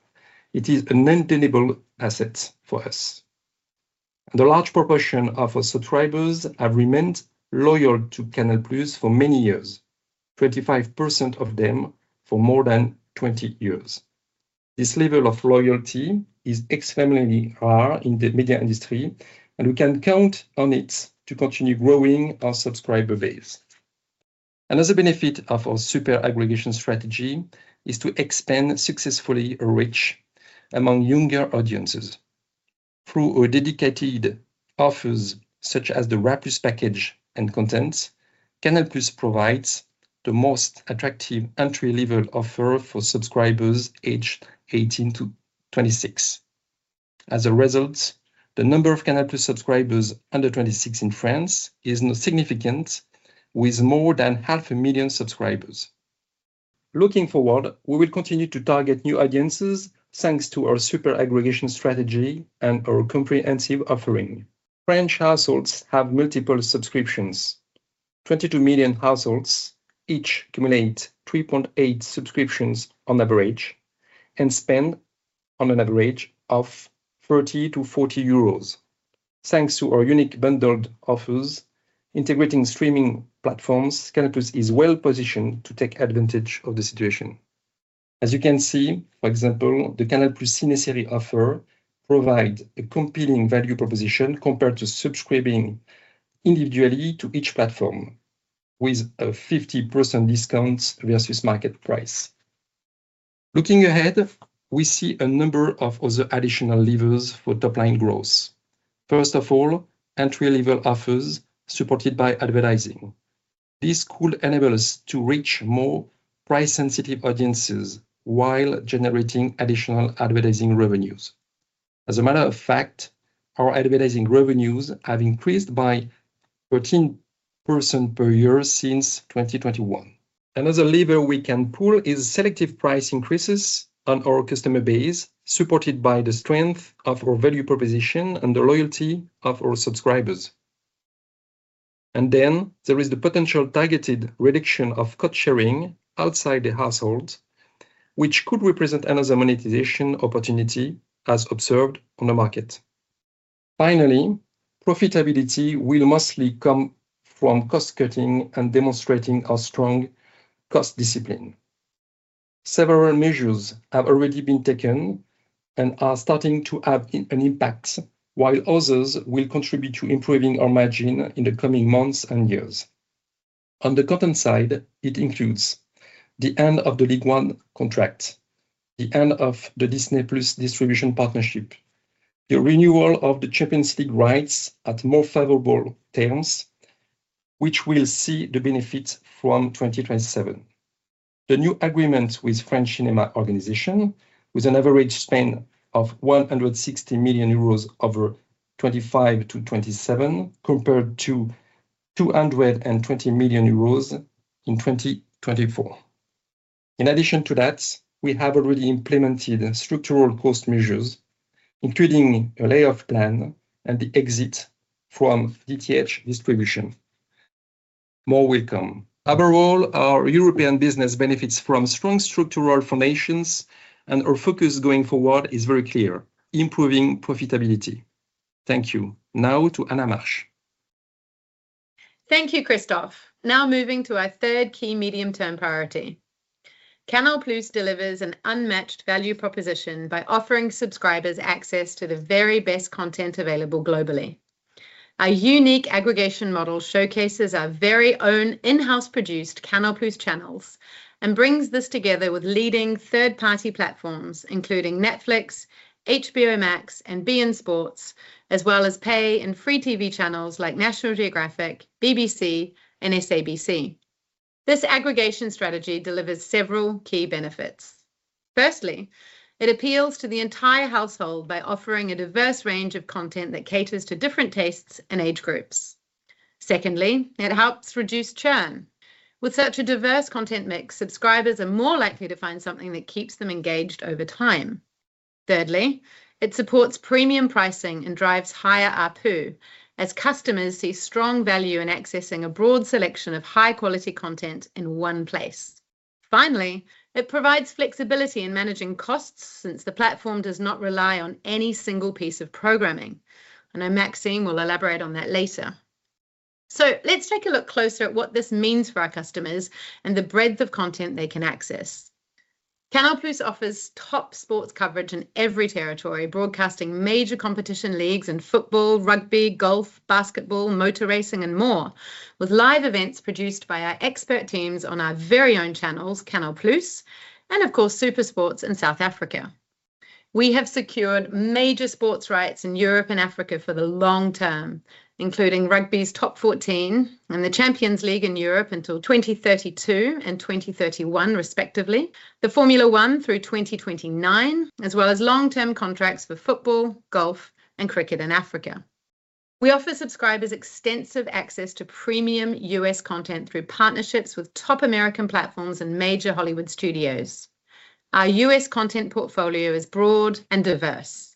It is an intangible asset for us. The large proportion of our subscribers have remained loyal to Canal+ for many years. 25% of them for more than 20 years. This level of loyalty is extremely rare in the media industry, and we can count on it to continue growing our subscriber base. Another benefit of our super aggregation strategy is to expand successfully reach among younger audiences. Through our dedicated offers, such as the RAT+ package and content, Canal+ provides the most attractive entry-level offer for subscribers aged 18 to 26. As a result, the number of Canal+ subscribers under 26 in France is now significant, with more than 500,000 subscribers. Looking forward, we will continue to target new audiences thanks to our super aggregation strategy and our comprehensive offering. French households have multiple subscriptions. 22 million households each accumulate 3.8 subscriptions on average and spend on an average of 30-40 euros. Thanks to our unique bundled offers, integrating streaming platforms, Canal+ is well-positioned to take advantage of the situation. As you can see, for example, the Canal+ Ciné Séries offer provide a competing value proposition compared to subscribing individually to each platform with a 50% discount versus market price. Looking ahead, we see a number of other additional levers for top-line growth. First of all, entry-level offers supported by advertising. This could enable us to reach more price-sensitive audiences while generating additional advertising revenues. As a matter of fact, our advertising revenues have increased by 13% per year since 2021. Another lever we can pull is selective price increases on our customer base, supported by the strength of our value proposition and the loyalty of our subscribers. There is the potential targeted reduction of cost sharing outside the household, which could represent another monetization opportunity as observed on the market. Finally, profitability will mostly come from cost-cutting and demonstrating our strong cost discipline. Several measures have already been taken and are starting to have an impact, while others will contribute to improving our margin in the coming months and years. On the content side, it includes the end of the Ligue 1 contract, the end of the Disney+ distribution partnership, the renewal of the Champions League rights at more favorable terms, which will see the benefits from 2027. The new agreement with French Cinema, with an average spend of 160 million euros over 2025-2027, compared to 220 million euros in 2024. In addition to that, we have already implemented structural cost measures, including a layoff plan and the exit from DTH distribution. More will come. Overall, our European business benefits from strong structural foundations, and our focus going forward is very clear, improving profitability. Thank you. Now to Anna Marsh. Thank you, Christophe. Now moving to our third key medium-term priority. Canal+ delivers an unmatched value proposition by offering subscribers access to the very best content available globally. Our unique aggregation model showcases our very own in-house produced Canal+ channels and brings this together with leading third-party platforms, including Netflix, HBO Max, and beIN SPORTS, as well as pay and free TV channels like National Geographic, BBC, and SABC. This aggregation strategy delivers several key benefits. Firstly, it appeals to the entire household by offering a diverse range of content that caters to different tastes and age groups. Secondly, it helps reduce churn. With such a diverse content mix, subscribers are more likely to find something that keeps them engaged over time. Thirdly, it supports premium pricing and drives higher ARPU, as customers see strong value in accessing a broad selection of high-quality content in one place. Finally, it provides flexibility in managing costs, since the platform does not rely on any single piece of programming. I know Maxime will elaborate on that later. Let's take a look closer at what this means for our customers and the breadth of content they can access. Canal+ offers top sports coverage in every territory, broadcasting major competition leagues in football, rugby, golf, basketball, motor racing, and more, with live events produced by our expert teams on our very own channels, Canal+, and of course, SuperSport in South Africa. We have secured major sports rights in Europe and Africa for the long term, including rugby's Top 14 and the Champions League in Europe until 2032 and 2031 respectively, the Formula One through 2029, as well as long-term contracts for football, golf, and cricket in Africa. We offer subscribers extensive access to premium U.S. content through partnerships with top American platforms and major Hollywood studios. Our U.S. content portfolio is broad and diverse.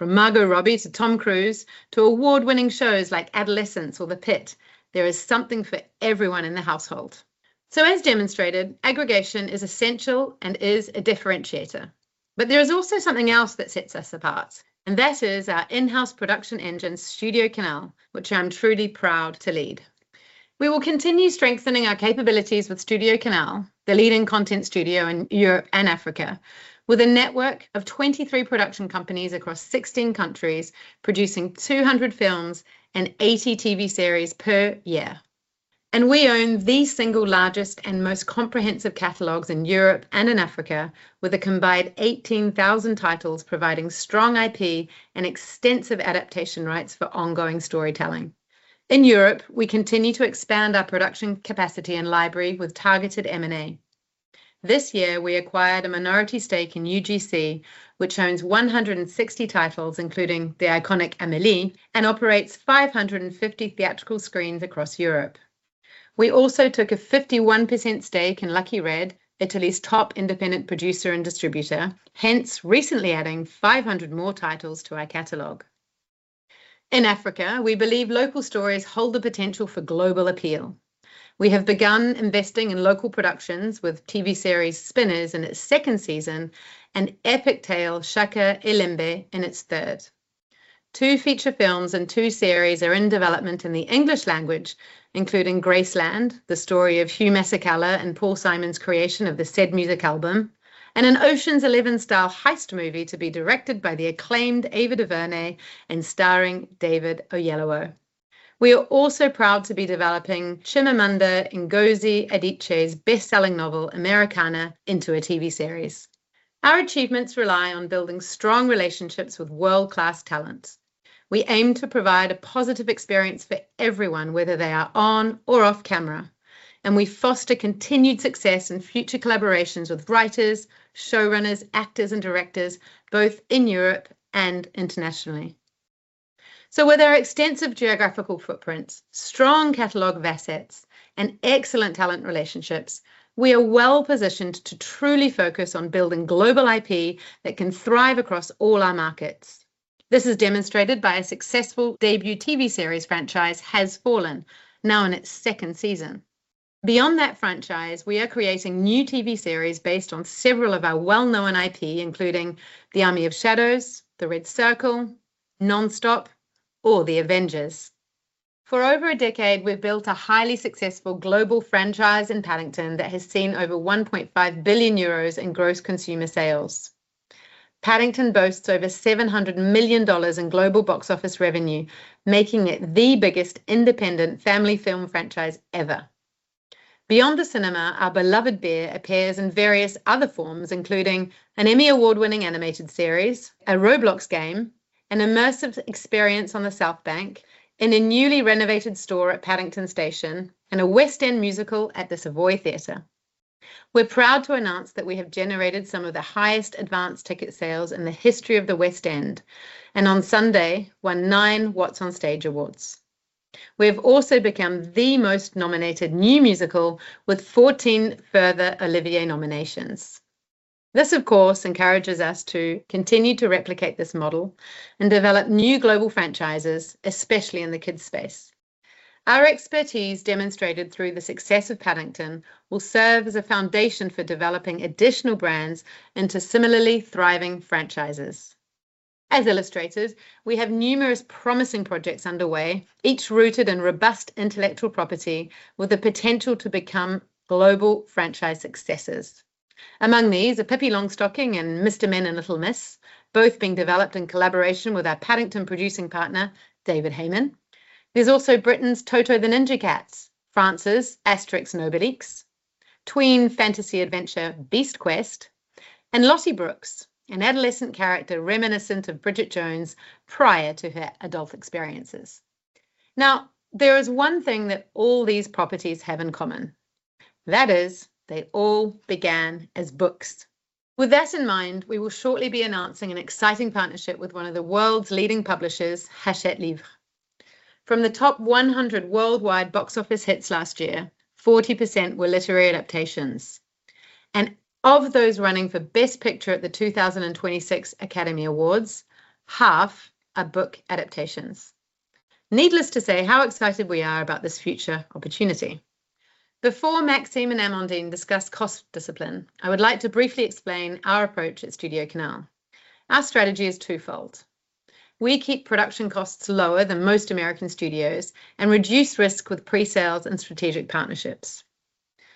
From Margot Robbie to Tom Cruise to award-winning shows like Adolescence or The Pit, there is something for everyone in the household. As demonstrated, aggregation is essential and is a differentiator. There is also something else that sets us apart, and that is our in-house production engine, STUDIOCANAL, which I'm truly proud to lead. We will continue strengthening our capabilities with STUDIOCANAL, the leading content studio in Europe and Africa, with a network of 23 production companies across 16 countries producing 200 films and 80 TV series per year. We own the single largest and most comprehensive catalogues in Europe and in Africa, with a combined 18,000 titles providing strong IP and extensive adaptation rights for ongoing storytelling. In Europe, we continue to expand our production capacity and library with targeted M&A. This year, we acquired a minority stake in UGC, which owns 160 titles, including the iconic Amélie, and operates 550 theatrical screens across Europe. We also took a 51% stake in Lucky Red, Italy's top independent producer and distributor, hence recently adding 500 more titles to our catalog. In Africa, we believe local stories hold the potential for global appeal. We have begun investing in local productions with TV series Spinners in its second season and epic tale Shaka iLembe in its third. Two feature films and two series are in development in the English language, including Graceland, the story of Hugh Masekela and Paul Simon's creation of the said music album, and an Ocean's 11 style heist movie to be directed by the acclaimed Ava DuVernay and starring David Oyelowo. We are also proud to be developing Chimamanda Ngozi Adichie's best-selling novel Americanah into a TV series. Our achievements rely on building strong relationships with world-class talents. We aim to provide a positive experience for everyone, whether they are on or off camera. We foster continued success and future collaborations with writers, showrunners, actors and directors, both in Europe and internationally. With our extensive geographical footprints, strong catalog of assets and excellent talent relationships, we are well-positioned to truly focus on building global IP that can thrive across all our markets. This is demonstrated by a successful debut TV series franchise, Has Fallen, now in its second season. Beyond that franchise, we are creating new TV series based on several of our well-known IP, including Army of Shadows, The Red Circle, Non-Stop, or The Avengers. For over a decade, we've built a highly successful global franchise in Paddington that has seen over 1.5 billion euros in gross consumer sales. Paddington boasts over $700 million in global box office revenue, making it the biggest independent family film franchise ever. Beyond the cinema, our beloved bear appears in various other forms, including an Emmy Award-winning animated series, a Roblox game, an immersive experience on the South Bank, in a newly renovated store at Paddington Station, and a West End musical at the Savoy Theatre. We're proud to announce that we have generated some of the highest advance ticket sales in the history of the West End, and on Sunday won 9 WhatsOnStage Awards. We have also become the most nominated new musical with 14 further Olivier nominations. This, of course, encourages us to continue to replicate this model and develop new global franchises, especially in the kids' space. Our expertise demonstrated through the success of Paddington will serve as a foundation for developing additional brands into similarly thriving franchises. As illustrated, we have numerous promising projects underway, each rooted in robust intellectual property with the potential to become global franchise successes. Among these are Pippi Longstocking and Mr. Men and Little Miss, both being developed in collaboration with our Paddington producing partner, David Heyman. There's also Britain's Toto the Ninja Cat, France's Astérix & Obélix, tween fantasy adventure Beast Quest, and Lottie Brooks, an adolescent character reminiscent of Bridget Jones prior to her adult experiences. Now, there is one thing that all these properties have in common. That is, they all began as books. With that in mind, we will shortly be announcing an exciting partnership with one of the world's leading publishers, Hachette Livre. From the top 100 worldwide box office hits last year, 40% were literary adaptations. Of those running for Best Picture at the 2026 Academy Awards, half are book adaptations. Needless to say how excited we are about this future opportunity. Before Maxime and Amandine discuss cost discipline, I would like to briefly explain our approach at STUDIOCANAL. Our strategy is twofold. We keep production costs lower than most American studios and reduce risk with pre-sales and strategic partnerships.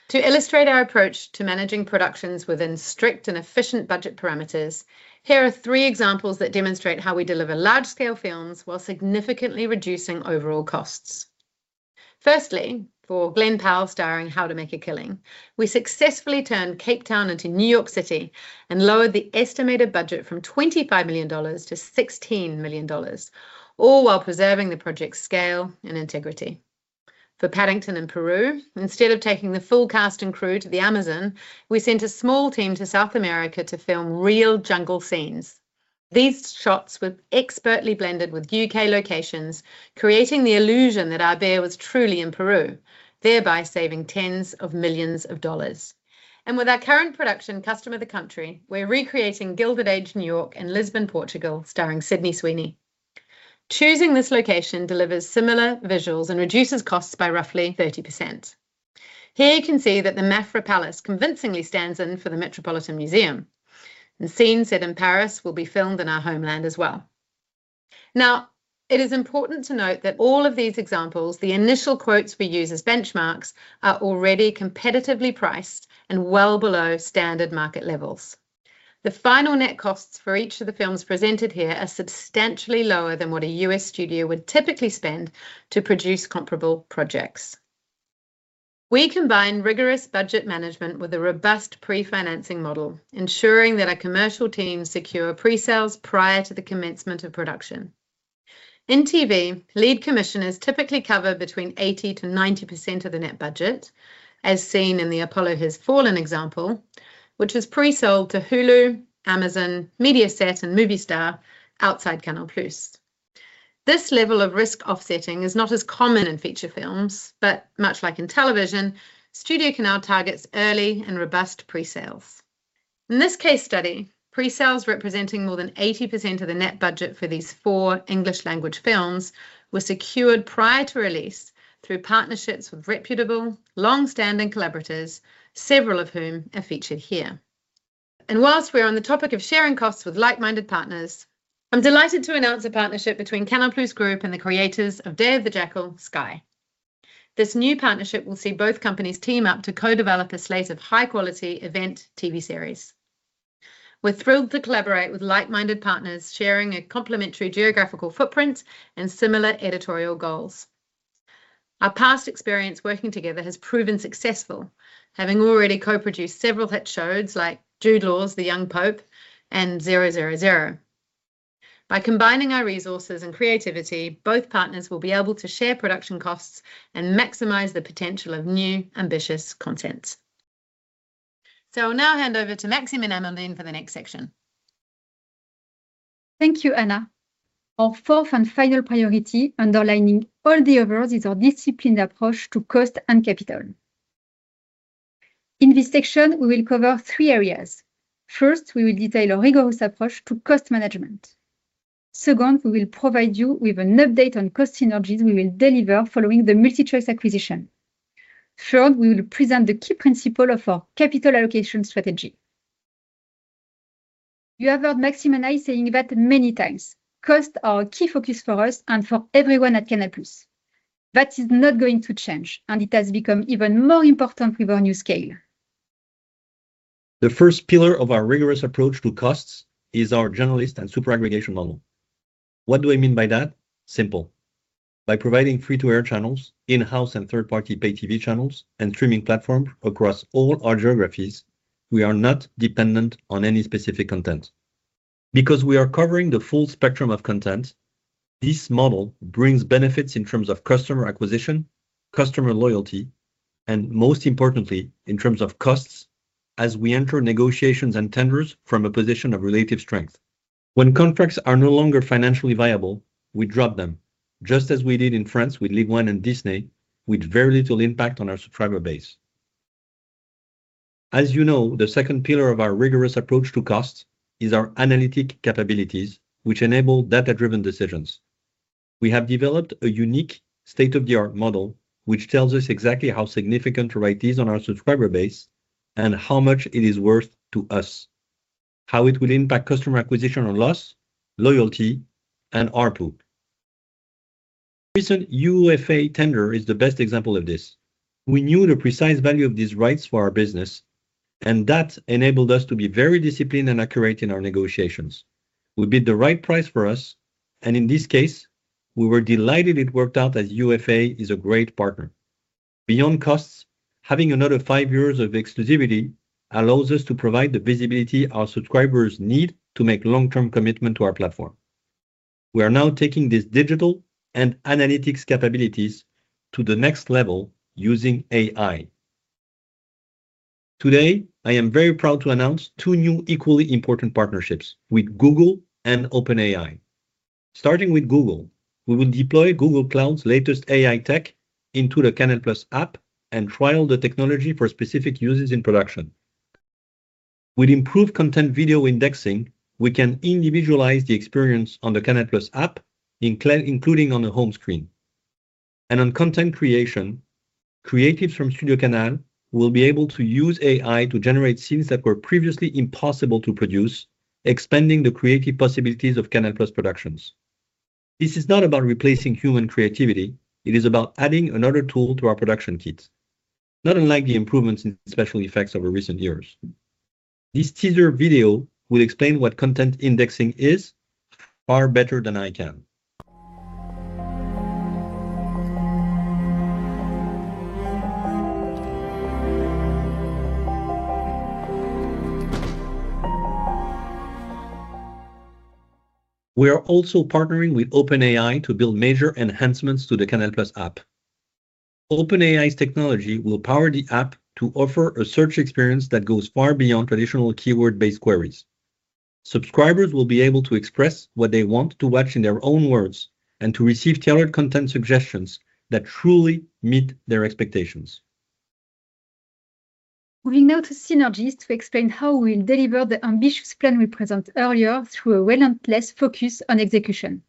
To illustrate our approach to managing productions within strict and efficient budget parameters, here are three examples that demonstrate how we deliver large-scale films while significantly reducing overall costs. Firstly, for Glen Powell starring How to Make a Killing, we successfully turned Cape Town into New York City and lowered the estimated budget from $25 million to $16 million, all while preserving the project's scale and integrity. For Paddington in Peru, instead of taking the full cast and crew to the Amazon, we sent a small team to South America to film real jungle scenes. These shots were expertly blended with UK locations, creating the illusion that our bear was truly in Peru, thereby saving tens of millions of dollars. With our current production, The Custom of the Country, we're recreating Gilded Age New York in Lisbon, Portugal, starring Sydney Sweeney. Choosing this location delivers similar visuals and reduces costs by roughly 30%. Here you can see that the Mafra Palace convincingly stands in for the Metropolitan Museum. The scene set in Paris will be filmed in our homeland as well. Now, it is important to note that all of these examples, the initial quotes we use as benchmarks, are already competitively priced and well below standard market levels. The final net costs for each of the films presented here are substantially lower than what a U.S. studio would typically spend to produce comparable projects. We combine rigorous budget management with a robust pre-financing model, ensuring that our commercial teams secure pre-sales prior to the commencement of production. In TV, lead commissioners typically cover between 80%-90% of the net budget, as seen in the Olympus Has Fallen example, which was pre-sold to Hulu, Amazon, Mediaset, and Movistar outside Canal+. This level of risk offsetting is not as common in feature films, but much like in television, STUDIOCANAL targets early and robust pre-sales. In this case study, pre-sales representing more than 80% of the net budget for these four English language films were secured prior to release through partnerships with reputable, long-standing collaborators, several of whom are featured here. While we're on the topic of sharing costs with like-minded partners, I'm delighted to announce a partnership between Canal+ Group and the creators of The Day of the Jackal, Sky. This new partnership will see both companies team up to co-develop a slate of high-quality event TV series. We're thrilled to collaborate with like-minded partners sharing a complementary geographical footprint and similar editorial goals. Our past experience working together has proven successful, having already co-produced several hit shows like Jude Law's The Young Pope and ZeroZeroZero. By combining our resources and creativity, both partners will be able to share production costs and maximize the potential of new ambitious content. I'll now hand over to Maxime and Amandine for the next section. Thank you, Anna. Our fourth and final priority underlining all the others is our disciplined approach to cost and capital. In this section, we will cover three areas. First, we will detail a rigorous approach to cost management. Second, we will provide you with an update on cost synergies we will deliver following the MultiChoice acquisition. Third, we will present the key principle of our capital allocation strategy. You have heard Maxime and I saying that many times. Costs are a key focus for us and for everyone at Canal+. That is not going to change, and it has become even more important with our new scale. The first pillar of our rigorous approach to costs is our generalist and super aggregation model. What do I mean by that? Simple. By providing free-to-air channels, in-house and third-party pay TV channels, and streaming platforms across all our geographies, we are not dependent on any specific content. Because we are covering the full spectrum of content, this model brings benefits in terms of customer acquisition, customer loyalty, and most importantly, in terms of costs as we enter negotiations and tenders from a position of relative strength. When contracts are no longer financially viable, we drop them, just as we did in France with Ligue 1 and Disney, with very little impact on our subscriber base. As you know, the second pillar of our rigorous approach to costs is our analytic capabilities, which enable data-driven decisions. We have developed a unique state-of-the-art model, which tells us exactly how significant to rate these on our subscriber base and how much it is worth to us, how it will impact customer acquisition or loss, loyalty, and ARPU. Recent UEFA tender is the best example of this. We knew the precise value of these rights for our business, and that enabled us to be very disciplined and accurate in our negotiations. We bid the right price for us, and in this case, we were delighted it worked out as UEFA is a great partner. Beyond costs, having another five years of exclusivity allows us to provide the visibility our subscribers need to make long-term commitment to our platform. We are now taking these digital and analytics capabilities to the next level using AI. Today, I am very proud to announce two new equally important partnerships with Google and OpenAI. Starting with Google, we will deploy Google Cloud's latest AI tech into the Canal+ app and trial the technology for specific uses in production. With improved content video indexing, we can individualize the experience on the Canal+ app, including on the home screen. On content creation, creatives from STUDIOCANAL will be able to use AI to generate scenes that were previously impossible to produce, expanding the creative possibilities of Canal+ productions. This is not about replacing human creativity, it is about adding another tool to our production kits, not unlike the improvements in special effects over recent years. This teaser video will explain what content indexing is far better than I can. We are also partnering with OpenAI to build major enhancements to the Canal+ app. OpenAI's technology will power the app to offer a search experience that goes far beyond traditional keyword-based queries. Subscribers will be able to express what they want to watch in their own words and to receive tailored content suggestions that truly meet their expectations. Moving now to synergies to explain how we'll deliver the ambitious plan we presented earlier through a relentless focus on execution.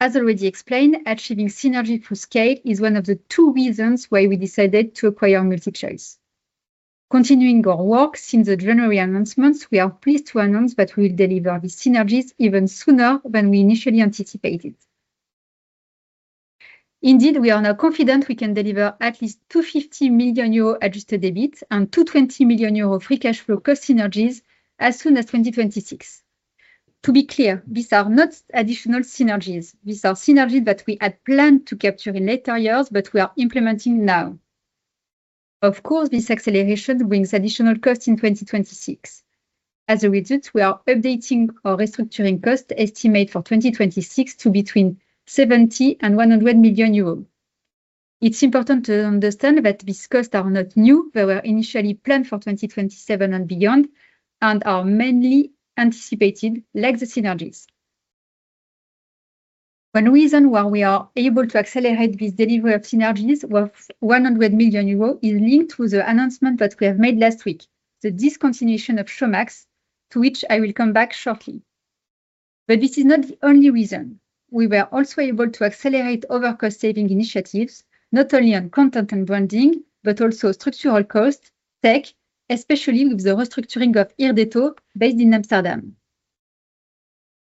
As already explained, achieving synergy through scale is one of the two reasons why we decided to acquire MultiChoice. Continuing our work since the January announcements, we are pleased to announce that we will deliver these synergies even sooner than we initially anticipated. Indeed, we are now confident we can deliver at least 250 million euro Adjusted EBIT and 220 million euro free cash flow cost synergies as soon as 2026. To be clear, these are not additional synergies. These are synergies that we had planned to capture in later years, but we are implementing now. Of course, this acceleration brings additional cost in 2026. As a result, we are updating our restructuring cost estimate for 2026 to between 70 million and 100 million euros. It's important to understand that these costs are not new. They were initially planned for 2027 and beyond and are mainly anticipated, like the synergies. One reason why we are able to accelerate this delivery of synergies worth 100 million euros is linked to the announcement that we have made last week, the discontinuation of Showmax, to which I will come back shortly. This is not the only reason. We were also able to accelerate other cost-saving initiatives, not only on content and branding, but also structural cost, tech, especially with the restructuring of Irdeto based in Amsterdam.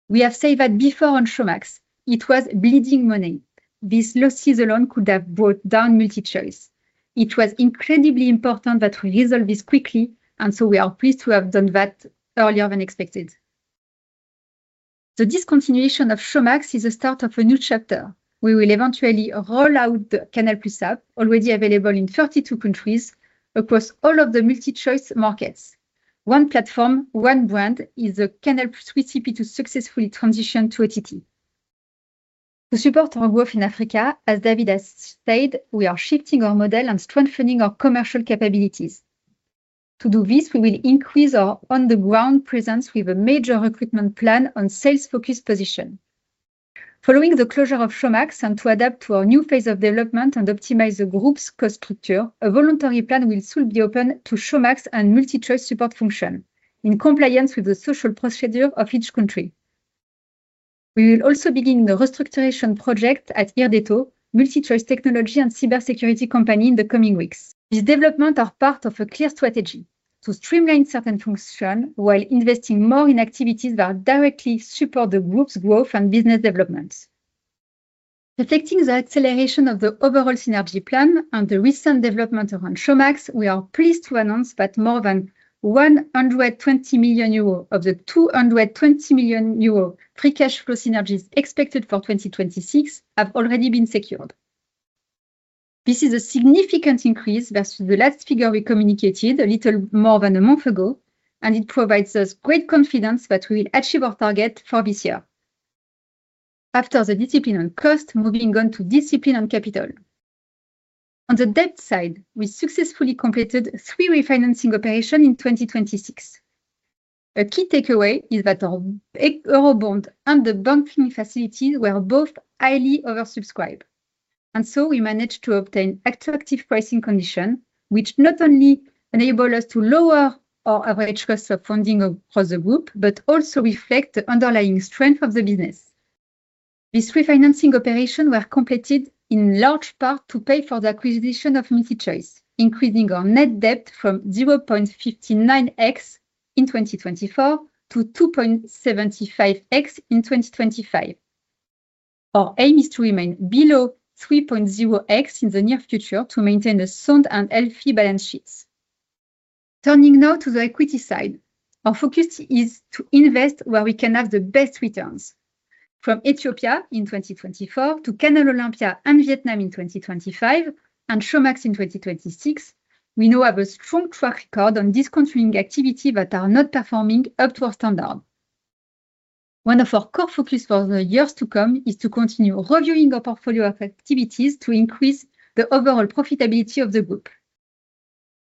We have said that before on Showmax, it was bleeding money. These losses alone could have brought down MultiChoice. It was incredibly important that we resolve this quickly, and so we are pleased to have done that earlier than expected. The discontinuation of Showmax is a start of a new chapter. We will eventually roll out the Canal+ app already available in 32 countries across all of the MultiChoice markets. One platform, one brand is the Canal+ recipe to successfully transition to OTT. To support our growth in Africa, as David has said, we are shifting our model and strengthening our commercial capabilities. To do this, we will increase our on-the-ground presence with a major recruitment plan on sales-focused position. Following the closure of Showmax and to adapt to our new phase of development and optimize the group's cost structure, a voluntary plan will soon be open to Showmax and MultiChoice support function in compliance with the social procedure of each country. We will also begin the restructure project at Irdeto, MultiChoice technology and cybersecurity company in the coming weeks. These developments are part of a clear strategy to streamline certain functions while investing more in activities that directly support the group's growth and business development. Following the acceleration of the overall synergy plan and the recent developments around Showmax, we are pleased to announce that more than 120 million euros of the 220 million euro free cash flow synergies expected for 2026 have already been secured. This is a significant increase versus the last figure we communicated a little more than a month ago, and it provides us great confidence that we will achieve our target for this year. After the discipline on cost, moving on to discipline on capital. On the debt side, we successfully completed three refinancing operations in 2026. A key takeaway is that our big euro bond and the bond facility were both highly oversubscribed, and so we managed to obtain attractive pricing conditions, which not only enable us to lower our average cost of funding for the group, but also reflect the underlying strength of the business. These refinancing operations were completed in large part to pay for the acquisition of MultiChoice, increasing our net debt from 0.59x in 2024 to 2.75x in 2025. Our aim is to remain below 3.0x in the near future to maintain a sound and healthy balance sheet. Turning now to the equity side. Our focus is to invest where we can have the best returns. From Ethiopia in 2024 to Canal Olympia and Vietnam in 2025 and Showmax in 2026, we now have a strong track record on discontinuing activities that are not performing up to our standard. One of our core focuses for the years to come is to continue reviewing our portfolio of activities to increase the overall profitability of the group.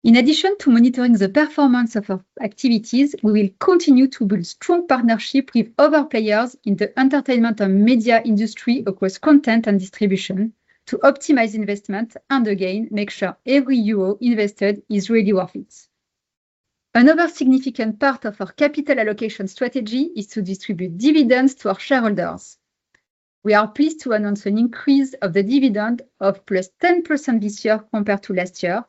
In addition to monitoring the performance of our activities, we will continue to build strong partnerships with other players in the entertainment and media industry across content and distribution to optimize investment, and again, make sure every euro invested is really worth it. Another significant part of our capital allocation strategy is to distribute dividends to our shareholders. We are pleased to announce an increase of the dividend of +10% this year compared to last year,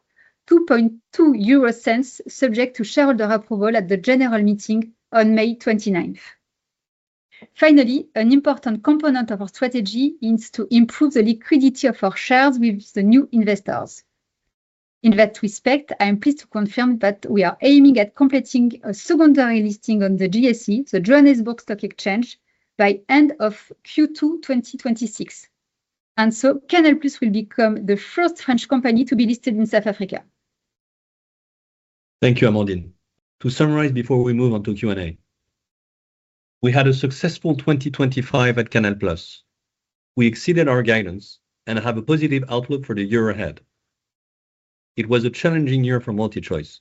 0.022 subject to shareholder approval at the general meeting on May 29th. Finally, an important component of our strategy is to improve the liquidity of our shares with the new investors. In that respect, I am pleased to confirm that we are aiming at completing a secondary listing on the JSE, the Johannesburg Stock Exchange, by end of Q2 2026. Canal+ will become the first French company to be listed in South Africa. Thank you, Amandine. To summarize before we move on to Q&A, we had a successful 2025 at Canal+. We exceeded our guidance and have a positive outlook for the year ahead. It was a challenging year for MultiChoice.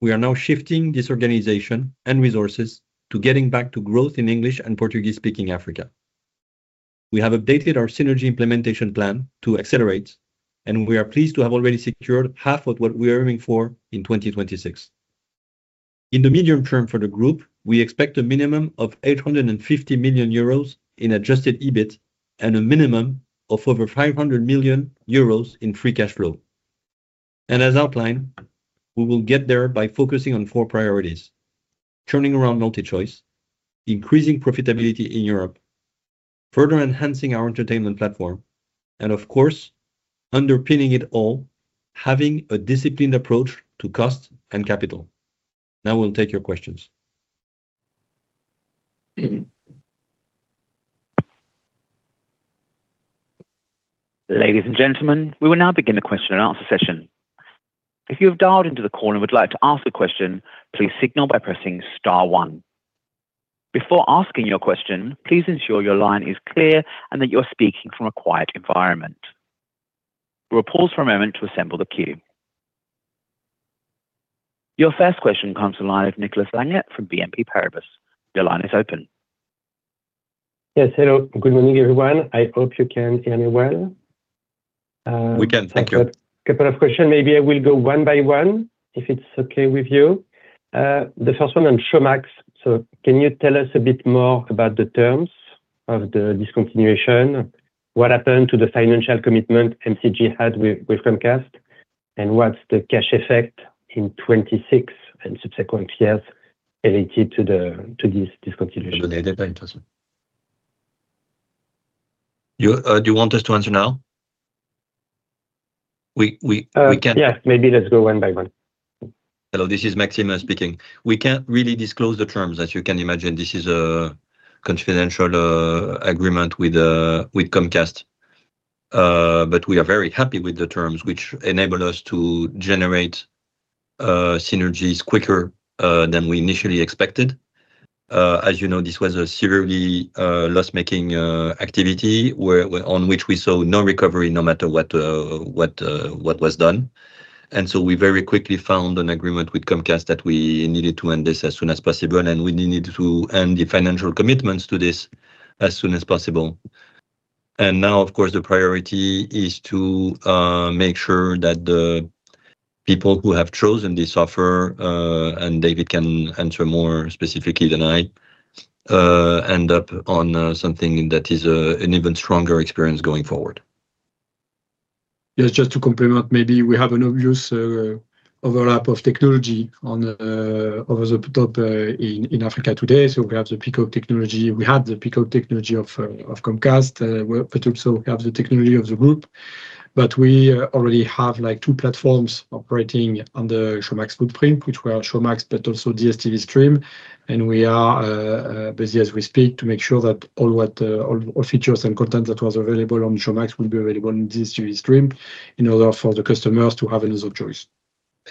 We are now shifting this organization and resources to getting back to growth in English and Portuguese-speaking Africa. We have updated our synergy implementation plan to accelerate, and we are pleased to have already secured half of what we are aiming for in 2026. In the medium term for the group, we expect a minimum of 850 million euros in Adjusted EBIT and a minimum of over 500 million euros in free cash flow. As outlined, we will get there by focusing on four priorities, turning around MultiChoice, increasing profitability in Europe, further enhancing our entertainment platform, and of course, underpinning it all, having a disciplined approach to cost and capital. Now we'll take your questions. Ladies and gentlemen, we will now begin the question and answer session. If you have dialed into the call and would like to ask a question, please signal by pressing star one. Before asking your question, please ensure your line is clear and that you're speaking from a quiet environment. We'll pause for a moment to assemble the queue. Your first question comes from the line of Nicolas Langlet from BNP Paribas. Your line is open. Yes. Hello. Good morning, everyone. I hope you can hear me well. We can. Thank you. I've got a couple of questions. Maybe I will go one by one, if it's okay with you. The first one on Showmax. Can you tell us a bit more about the terms of the discontinuation? What happened to the financial commitment MCG had with Comcast? And what's the cash effect in 2026 and subsequent years related to this discontinuation? Do you want us to answer now? We can- Yes. Maybe let's go one by one. Hello, this is Maxime speaking. We can't really disclose the terms. As you can imagine, this is a confidential agreement with Comcast. But we are very happy with the terms which enable us to generate synergies quicker than we initially expected. As you know, this was a severely loss-making activity on which we saw no recovery no matter what was done. We very quickly found an agreement with Comcast that we needed to end this as soon as possible, and we needed to end the financial commitments to this as soon as possible. Now, of course, the priority is to make sure that the people who have chosen this offer, and David can answer more specifically than I, end up on something that is an even stronger experience going forward. Yes, just to complement maybe. We have an obvious overlap of technology on over-the-top in Africa today. We have the Peacock technology. We had the Peacock technology of Comcast. We also have the technology of the group. We already have, like, two platforms operating on the Showmax footprint, which were Showmax, but also DStv Stream. We are busy as we speak to make sure that all features and content that was available on Showmax will be available on DStv Stream in order for the customers to have another choice.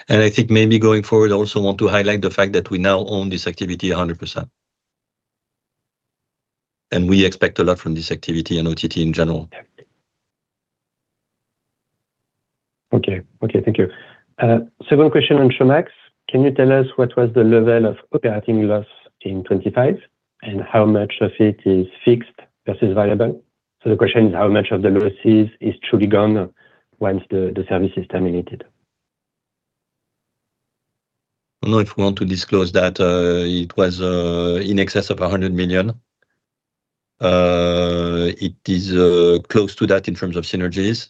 I think maybe going forward, I also want to highlight the fact that we now own this activity 100%. We expect a lot from this activity and OTT in general. Okay, thank you. Second question on Showmax. Can you tell us what was the level of operating loss in 2025, and how much of it is fixed versus variable? The question is how much of the losses is truly gone once the service is terminated? I don't know if we want to disclose that. It was in excess of 100 million. It is close to that in terms of synergies.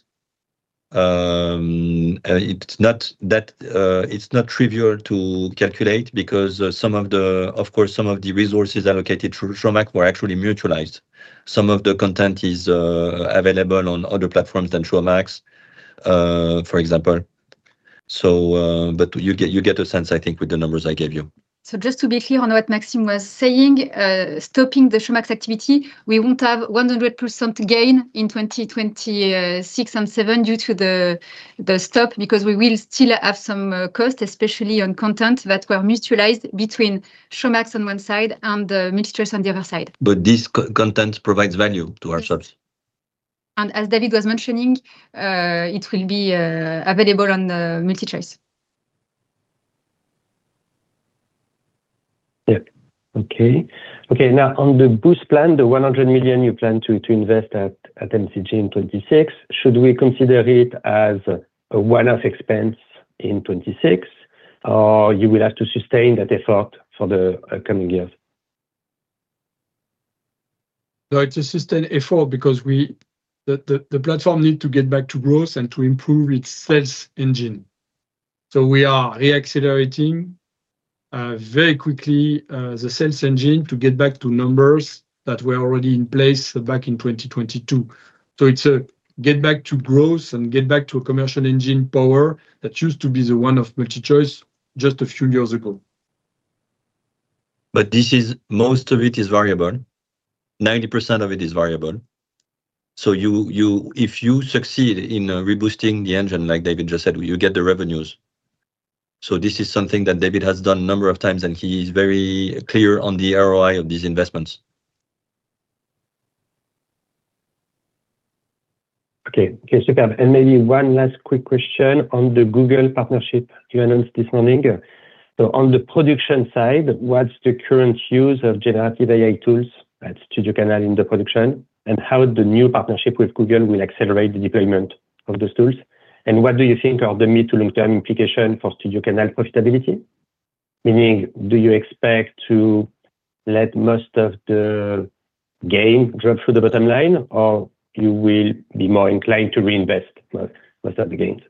It's not trivial to calculate because some of the resources allocated to Showmax were actually mutualized. Some of the content is available on other platforms than Showmax, for example. You get a sense I think with the numbers I gave you. Just to be clear on what Maxime was saying, stopping the Showmax activity, we won't have 100% gain in 2026 and 2027 due to the stop because we will still have some cost, especially on content that were mutualized between Showmax on one side and the MultiChoice on the other side. This content provides value to our subs. As David was mentioning, it will be available on the MultiChoice. Okay. Now on the boost plan, the 100 million you plan to invest at MultiChoice in 2026, should we consider it as a one-off expense in 2026, or you will have to sustain that effort for the coming years? No, it's a sustained effort because the platform need to get back to growth and to improve its sales engine. We are re-accelerating very quickly the sales engine to get back to numbers that were already in place back in 2022. It's a get back to growth and get back to a commercial engine power that used to be the one of MultiChoice just a few years ago. Most of it is variable. 90% of it is variable. If you succeed in reboosting the engine like David just said, you get the revenues. This is something that David has done a number of times, and he is very clear on the ROI of these investments. Okay. Okay, super. Maybe one last quick question on the Google partnership you announced this morning. On the production side, what's the current use of generative AI tools at STUDIOCANAL in the production, and how the new partnership with Google will accelerate the deployment of those tools? What do you think are the mid- to long-term implication for STUDIOCANAL profitability? Meaning, do you expect to let most of the gain drop through the bottom line, or you will be more inclined to reinvest most of the gains?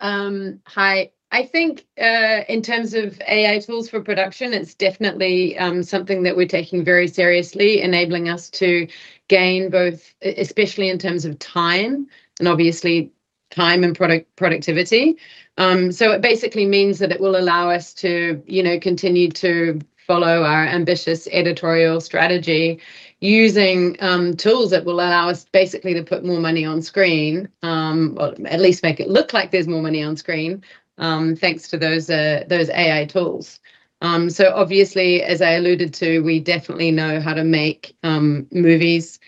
Hi. I think in terms of AI tools for production, it's definitely something that we're taking very seriously, enabling us to gain both, especially in terms of time, and obviously time and productivity. So it basically means that it will allow us to, you know, continue to follow our ambitious editorial strategy using tools that will allow us basically to put more money on screen. Well, at least make it look like there's more money on screen, thanks to those AI tools. So obviously, as I alluded to, we definitely know how to make movies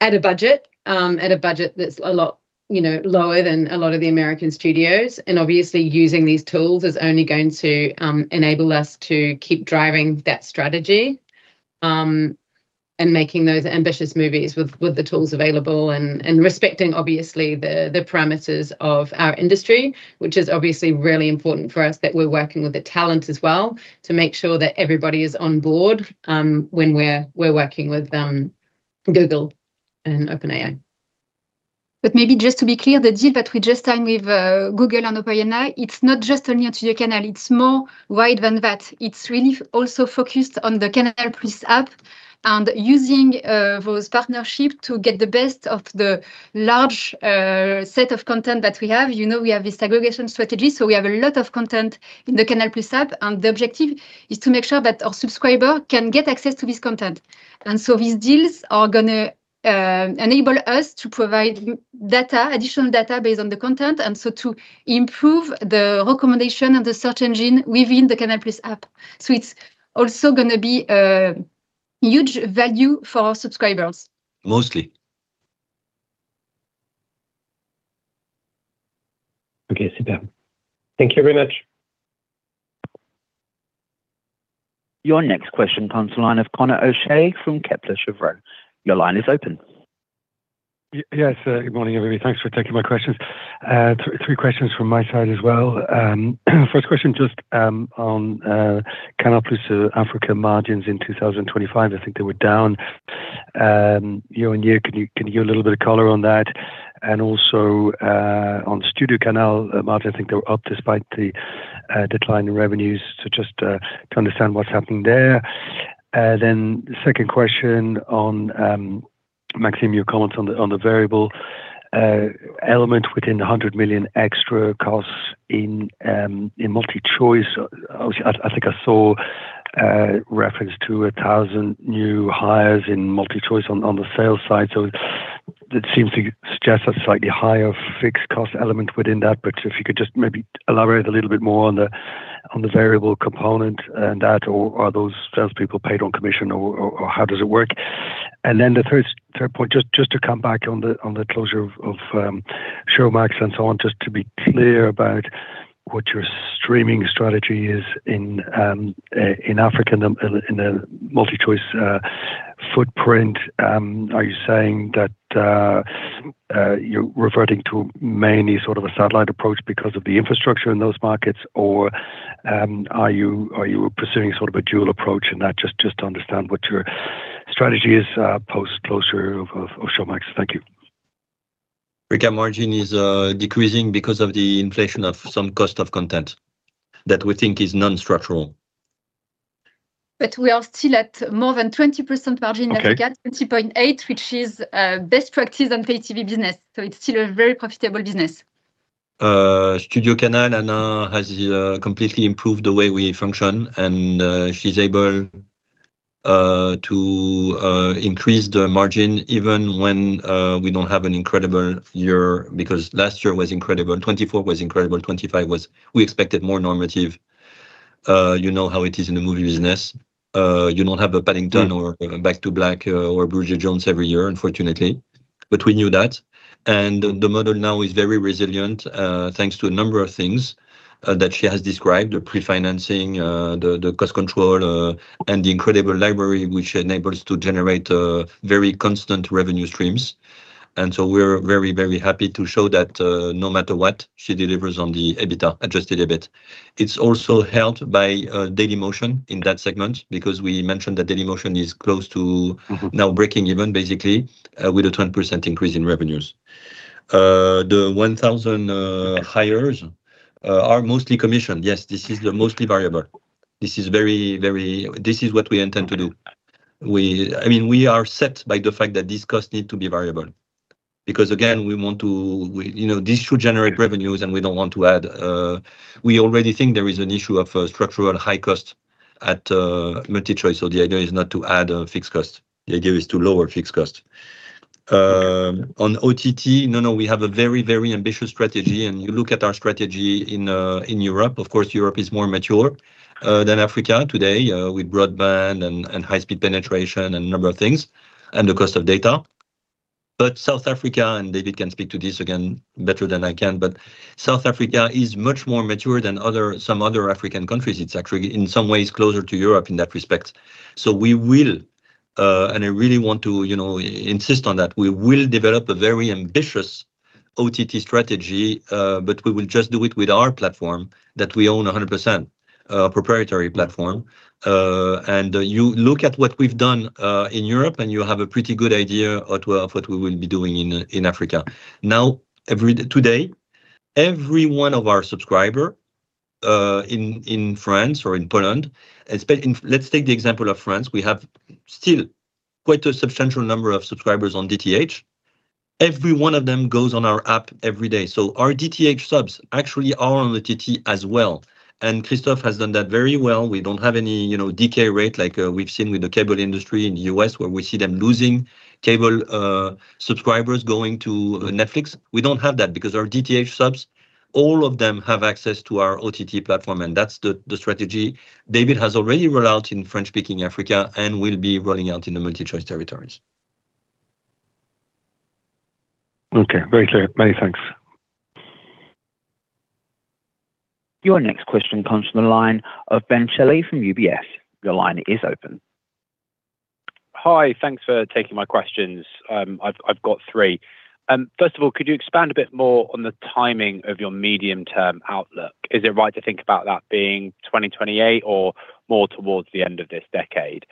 at a budget that's a lot, you know, lower than a lot of the American studios. Obviously, using these tools is only going to enable us to keep driving that strategy, and making those ambitious movies with the tools available and respecting obviously the parameters of our industry, which is obviously really important for us that we're working with the talent as well to make sure that everybody is on board, when we're working with Google and OpenAI. Maybe just to be clear, the deal that we just signed with Google and OpenAI, it's not just only a STUDIOCANAL, it's more wide than that. It's really also focused on the Canal+ app and using those partnership to get the best of the large set of content that we have. You know, we have this aggregation strategy, so we have a lot of content in the Canal+ app, and the objective is to make sure that our subscriber can get access to this content. These deals are gonna enable us to provide data, additional data based on the content, and so to improve the recommendation of the search engine within the Canal+ app. It's also gonna be a huge value for our subscribers. Mostly. Okay. Thank you very much. Your next question comes to the line of Conor O'Shea from Kepler Cheuvreux. Your line is open. Yes, good morning, everybody. Thanks for taking my questions. Three questions from my side as well. First question just on Canal+ Africa margins in 2025. I think they were down year-over-year. Can you give a little bit of color on that? And also on STUDIOCANAL margins, I think they were up despite the decline in revenues. So just to understand what's happening there. Then second question on Maxime, your comments on the variable element within the 100 million extra costs in MultiChoice. I think I saw a reference to 1,000 new hires in MultiChoice on the sales side. So that seems to suggest a slightly higher fixed cost element within that. If you could just maybe elaborate a little bit more on the variable component and that, or are those sales people paid on commission or how does it work? Then the third point, just to come back on the closure of Showmax, and so on, just to be clear about what your streaming strategy is in Africa, in the MultiChoice footprint. Are you saying that you're reverting to mainly sort of a satellite approach because of the infrastructure in those markets? Or are you pursuing sort of a dual approach in that? Just to understand what your strategy is post-closure of Showmax. Thank you. Africa margin is decreasing because of the inflation of some cost of content that we think is non-structural. We are still at more than 20% margin at Africa. Okay. 20.8%, which is best practice on pay TV business, so it's still a very profitable business. STUDIOCANAL, Anna has completely improved the way we function, and she's able to increase the margin even when we don't have an incredible year, because last year was incredible. 2024 was incredible. 2025 was. We expected more normal, you know how it is in the movie business. You don't have a Paddington or Back to Black or Bridget Jones every year, unfortunately. We knew that. The model now is very resilient, thanks to a number of things that she has described, the pre-financing, the cost control, and the incredible library which enables to generate very constant revenue streams. We're very, very happy to show that, no matter what, she delivers on the EBITDA, Adjusted EBIT. It's also helped by Dailymotion in that segment because we mentioned that Dailymotion is close to now breaking even basically with a 20% increase in revenues. The 1,000 hires are mostly commission. Yes, this is mostly variable. This is what we intend to do. I mean, we are set by the fact that these costs need to be variable because again, we want to. We, you know, this should generate revenues and we don't want to add. We already think there is an issue of structural high cost at MultiChoice, so the idea is not to add a fixed cost. The idea is to lower fixed cost. On OTT, no, we have a very ambitious strategy. You look at our strategy in Europe. Of course, Europe is more mature than Africa today with broadband and high speed penetration and a number of things, and the cost of data. South Africa, and David can speak to this again better than I can. South Africa is much more mature than some other African countries. It's actually in some ways closer to Europe in that respect. I really want to, you know, insist on that. We will develop a very ambitious OTT strategy, but we will just do it with our platform that we own 100%, proprietary platform. You look at what we've done in Europe, and you have a pretty good idea of what we will be doing in Africa. Now, every Today, every one of our subscribers in France or in Poland. Let's take the example of France. We have still quite a substantial number of subscribers on DTH. Every one of them goes on our app every day. Our DTH subs actually are on the OTT as well. Christophe has done that very well. We don't have any, you know, decay rate like we've seen with the cable industry in the U.S., where we see them losing cable subscribers going to Netflix. We don't have that because our DTH subs, all of them have access to our OTT platform, and that's the strategy David has already rolled out in French-speaking Africa and will be rolling out in the MultiChoice territories. Okay, very clear. Many thanks. Your next question comes from the line of Ben Shelley from UBS. Your line is open. Hi. Thanks for taking my questions. I've got three. First of all, could you expand a bit more on the timing of your medium-term outlook? Is it right to think about that being 2028 or more towards the end of this decade?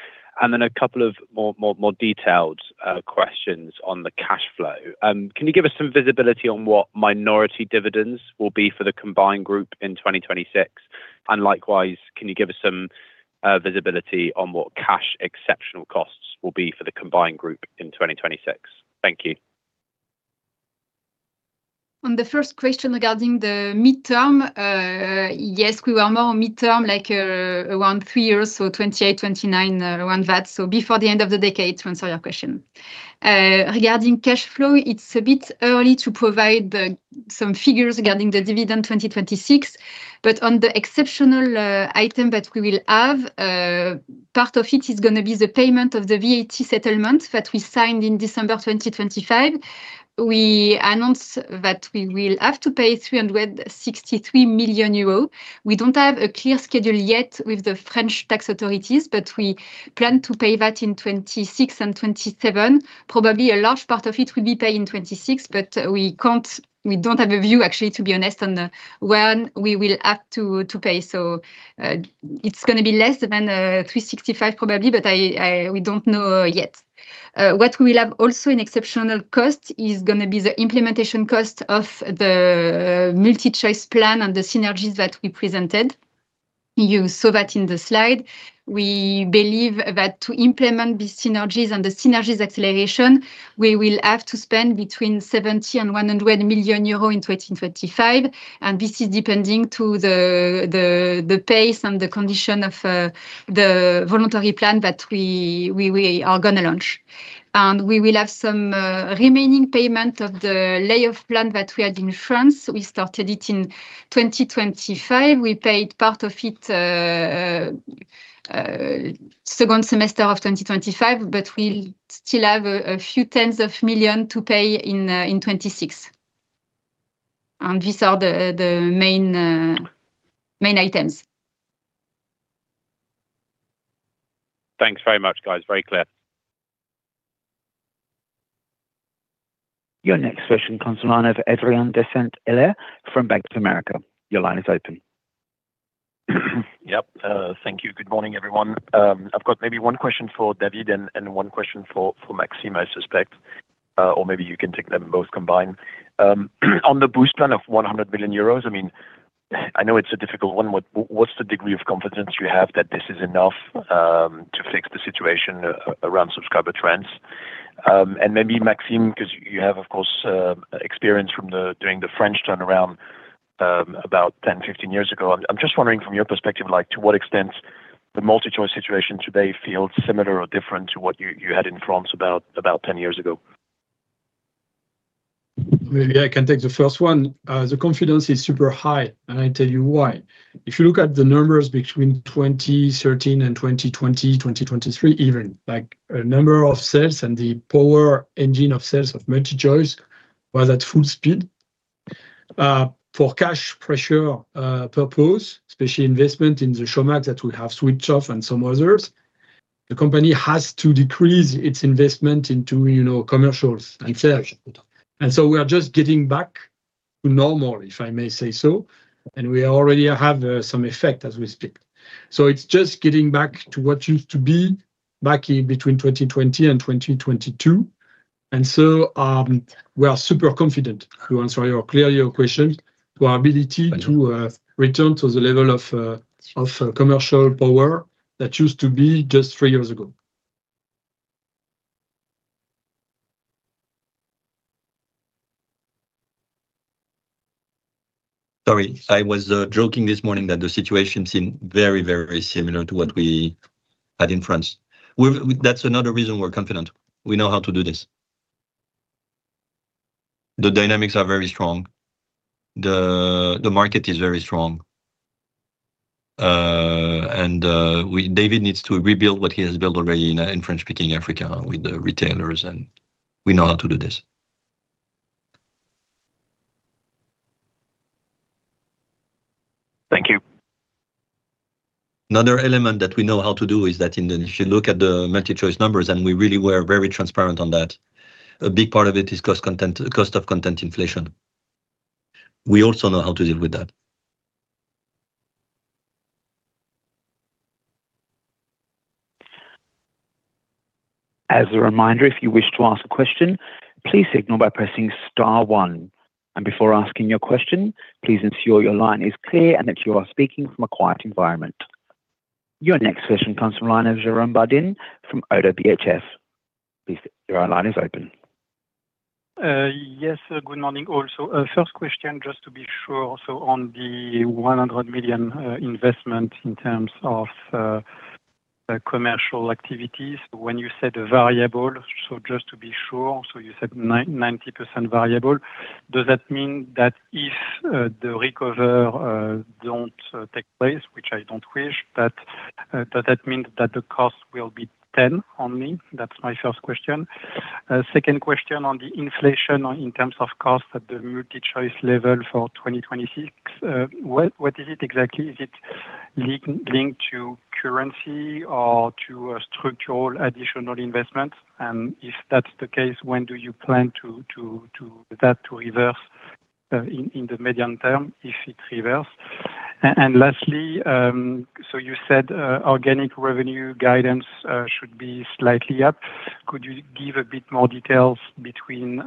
Then a couple of more detailed questions on the cash flow. Can you give us some visibility on what minority dividends will be for the combined group in 2026? Likewise, can you give us some visibility on what cash exceptional costs will be for the combined group in 2026? Thank you. On the first question regarding the midterm, yes, we are more midterm like, around 3 years, so 2028, 2029, around that, so before the end of the decade to answer your question. Regarding cash flow, it's a bit early to provide some figures regarding the dividend 2026. On the exceptional item that we will have, part of it is gonna be the payment of the VAT settlement that we signed in December 2025. We announced that we will have to pay 363 million euros. We don't have a clear schedule yet with the French tax authorities, but we plan to pay that in 2026 and 2027. Probably a large part of it will be paid in 2026, but we don't have a view actually, to be honest, on when we will have to pay. It's gonna be less than 365 probably, but we don't know yet. What we'll have also in exceptional costs is gonna be the implementation cost of the MultiChoice plan and the synergies that we presented. You saw that in the slide. We believe that to implement the synergies and the synergies acceleration, we will have to spend between 70 million and 100 million euro in 2025, and this is depending on the pace and the condition of the voluntary plan that we are gonna launch. We will have some remaining payment of the layoff plan that we had in France. We started it in 2025. We paid part of it second semester of 2025, but we still have a few tens of millions EUR to pay in 2026. These are the main items. Thanks very much, guys. Very clear. Your next question comes from the line of Adrien de Saint Hilaire from Bank of America. Your line is open. Yep. Thank you. Good morning, everyone. I've got maybe one question for David and one question for Maxime, I suspect, or maybe you can take them both combined. On the boost plan of 100 million euros, I mean, I know it's a difficult one. What's the degree of confidence you have that this is enough to fix the situation around subscriber trends? Maybe Maxime, 'cause you have, of course, experience during the French turnaround, about 10, 15 years ago. I'm just wondering from your perspective, like, to what extent the MultiChoice situation today feels similar or different to what you had in France about 10 years ago. Maybe I can take the first one. The confidence is super high, and I tell you why. If you look at the numbers between 2013 and 2020, 2023 even, like, number of sales and the powerhouse of sales of MultiChoice was at full speed. For cash pressure purposes, especially investment in the Showmax that we have switched off and some others, the company has to decrease its investment into, you know, commercials and sales. We are just getting back to normal, if I may say so, and we already have, some effect as we speak. It's just getting back to what used to be back in between 2020 and 2022. We are super confident, to answer your question, to clarify your question, to our ability to of commercial power that used to be just three years ago. Sorry. I was joking this morning that the situation seemed very, very similar to what we had in France. That's another reason we're confident. We know how to do this. The dynamics are very strong. The market is very strong. David needs to rebuild what he has built already in French-speaking Africa with the retailers, and we know how to do this. Thank you. Another element that we know how to do is that if you look at the MultiChoice numbers, and we really were very transparent on that, a big part of it is cost of content inflation. We also know how to deal with that. As a reminder, if you wish to ask a question, please signal by pressing star one. Before asking your question, please ensure your line is clear and that you are speaking from a quiet environment. Your next question comes from the line of Jérôme Bodin from Oddo BHF. Please, your line is open. Yes. Good morning also. First question, just to be sure, on the 100 million investment in terms of commercial activities, when you said variable, just to be sure, you said 90% variable. Does that mean that if the recovery don't take place, which I don't wish, that Does that mean that the cost will be 10 only? That's my first question. Second question on the inflation in terms of cost at the MultiChoice level for 2026. What is it exactly? Is it linked to currency or to a structural additional investment? And if that's the case, when do you plan to reverse that in the medium term, if it reverse? Lastly, so you said, organic revenue guidance should be slightly up. Could you give a bit more details between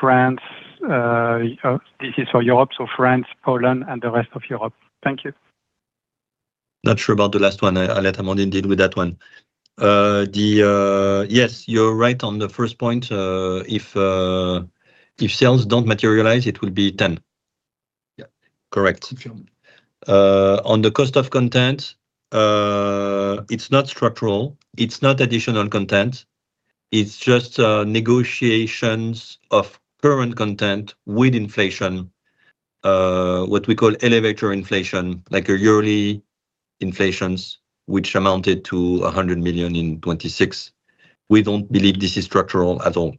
France or this is for Europe, so France, Poland, and the rest of Europe. Thank you. Not sure about the last one. I'll let Amandine deal with that one. Yes, you're right on the first point. If sales don't materialize, it will be 10. Yeah. Correct. Confirmed. On the cost of content, it's not structural, it's not additional content. It's just negotiations of current content with inflation. What we call elevated inflation, like a yearly inflation which amounted to 100 million in 2026. We don't believe this is structural at all.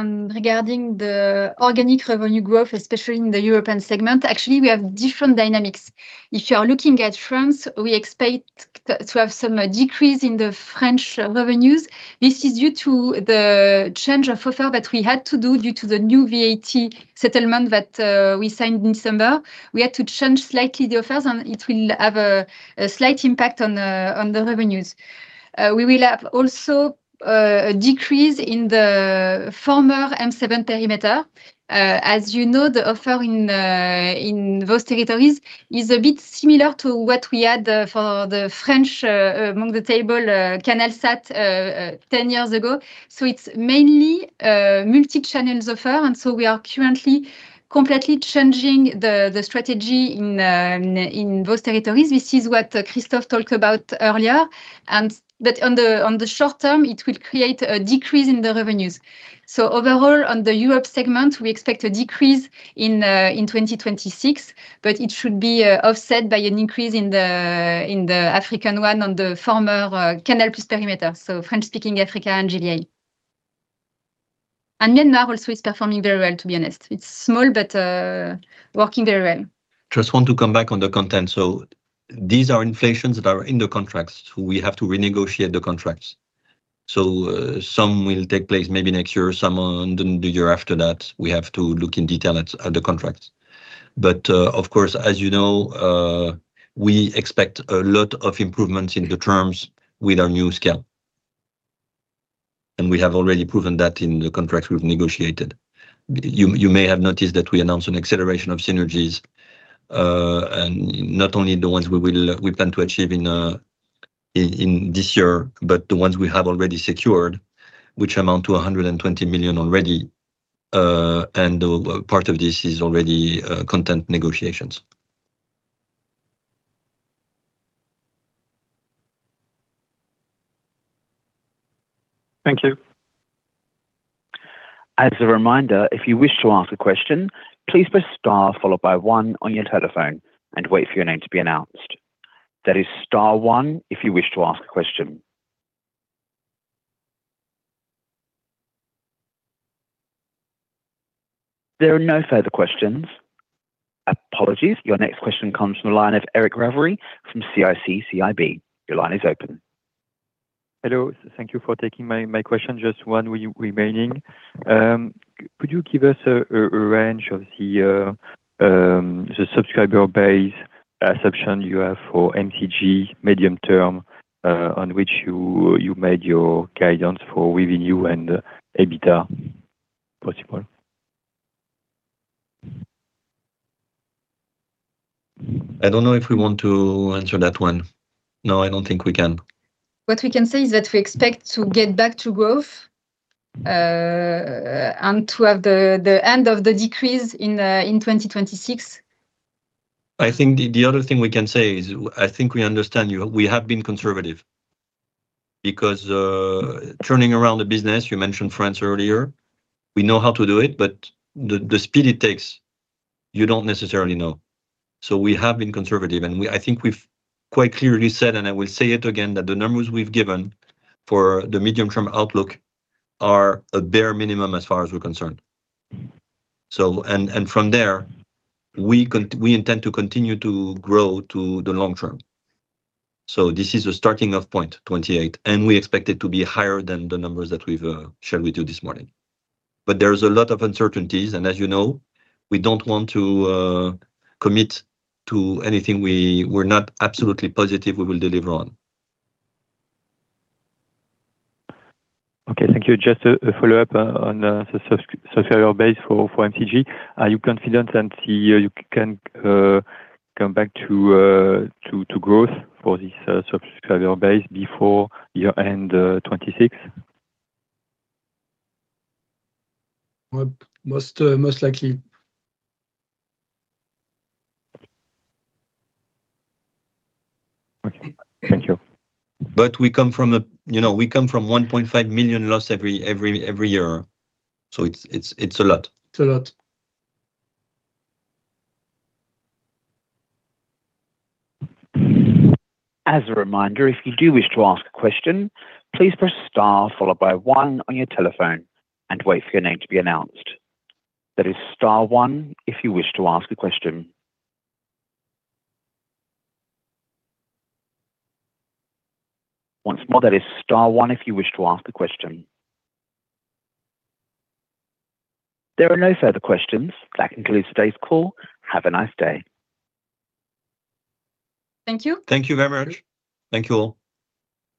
Regarding the organic revenue growth, especially in the European segment, actually we have different dynamics. If you are looking at France, we expect to have some decrease in the French revenues. This is due to the change of offer that we had to do due to the new VAT settlement that we signed in December. We had to change slightly the offers, and it will have a slight impact on the revenues. We will have also a decrease in the former M7 perimeter. As you know, the offer in those territories is a bit similar to what we had for the French Canalsat ten years ago. It's mainly multi-channels offer, and so we are currently completely changing the strategy in those territories. This is what Christophe talked about earlier, and that on the short term, it will create a decrease in the revenues. Overall, on the Europe segment, we expect a decrease in 2026, but it should be offset by an increase in the African one on the former Canal+ perimeter, so French-speaking Africa and GVA. Now also it's performing very well, to be honest. It's small, but working very well. Just want to come back on the content. These are inflations that are in the contracts, so we have to renegotiate the contracts. Some will take place maybe next year, some on the year after that. We have to look in detail at the contracts. Of course, as you know, we expect a lot of improvements in the terms with our new scale. We have already proven that in the contracts we've negotiated. You may have noticed that we announced an acceleration of synergies, and not only the ones we plan to achieve in this year, but the ones we have already secured, which amount to 120 million already. Part of this is already content negotiations. Thank you. As a reminder, if you wish to ask a question, please press star followed by one on your telephone and wait for your name to be announced. That is star one if you wish to ask a question. There are no further questions. Apologies. Your next question comes from the line of Eric Ravary from CIC CIB. Your line is open. Hello. Thank you for taking my question. Just one remaining. Could you give us a range of the subscriber base assumption you have for MTG medium term, on which you made your guidance for revenue and EBITDA possible? I don't know if we want to answer that one. No, I don't think we can. What we can say is that we expect to get back to growth, and to have the end of the decrease in 2026. I think the other thing we can say is I think we understand you. We have been conservative because turning around the business, you mentioned France earlier, we know how to do it, but the speed it takes, you don't necessarily know. We have been conservative. I think we've quite clearly said, and I will say it again, that the numbers we've given for the medium-term outlook are a bare minimum as far as we're concerned. From there, we intend to continue to grow to the long term. This is a starting off point, 2028, and we expect it to be higher than the numbers that we've shared with you this morning. There is a lot of uncertainties, and as you know, we don't want to commit to anything we're not absolutely positive we will deliver on. Okay. Thank you. Just a follow-up on the subscriber base for MTG. Are you confident that here you can come back to growth for this subscriber base before year-end 2026? Well, most likely. Okay. Thank you. You know, we come from 1.5 million loss every year. It's a lot. It's a lot. As a reminder, if you do wish to ask a question, please press star followed by one on your telephone and wait for your name to be announced. That is star one if you wish to ask a question. Once more, that is star one if you wish to ask a question. There are no further questions. That concludes today's call. Have a nice day. Thank you. Thank you very much. Thank you all.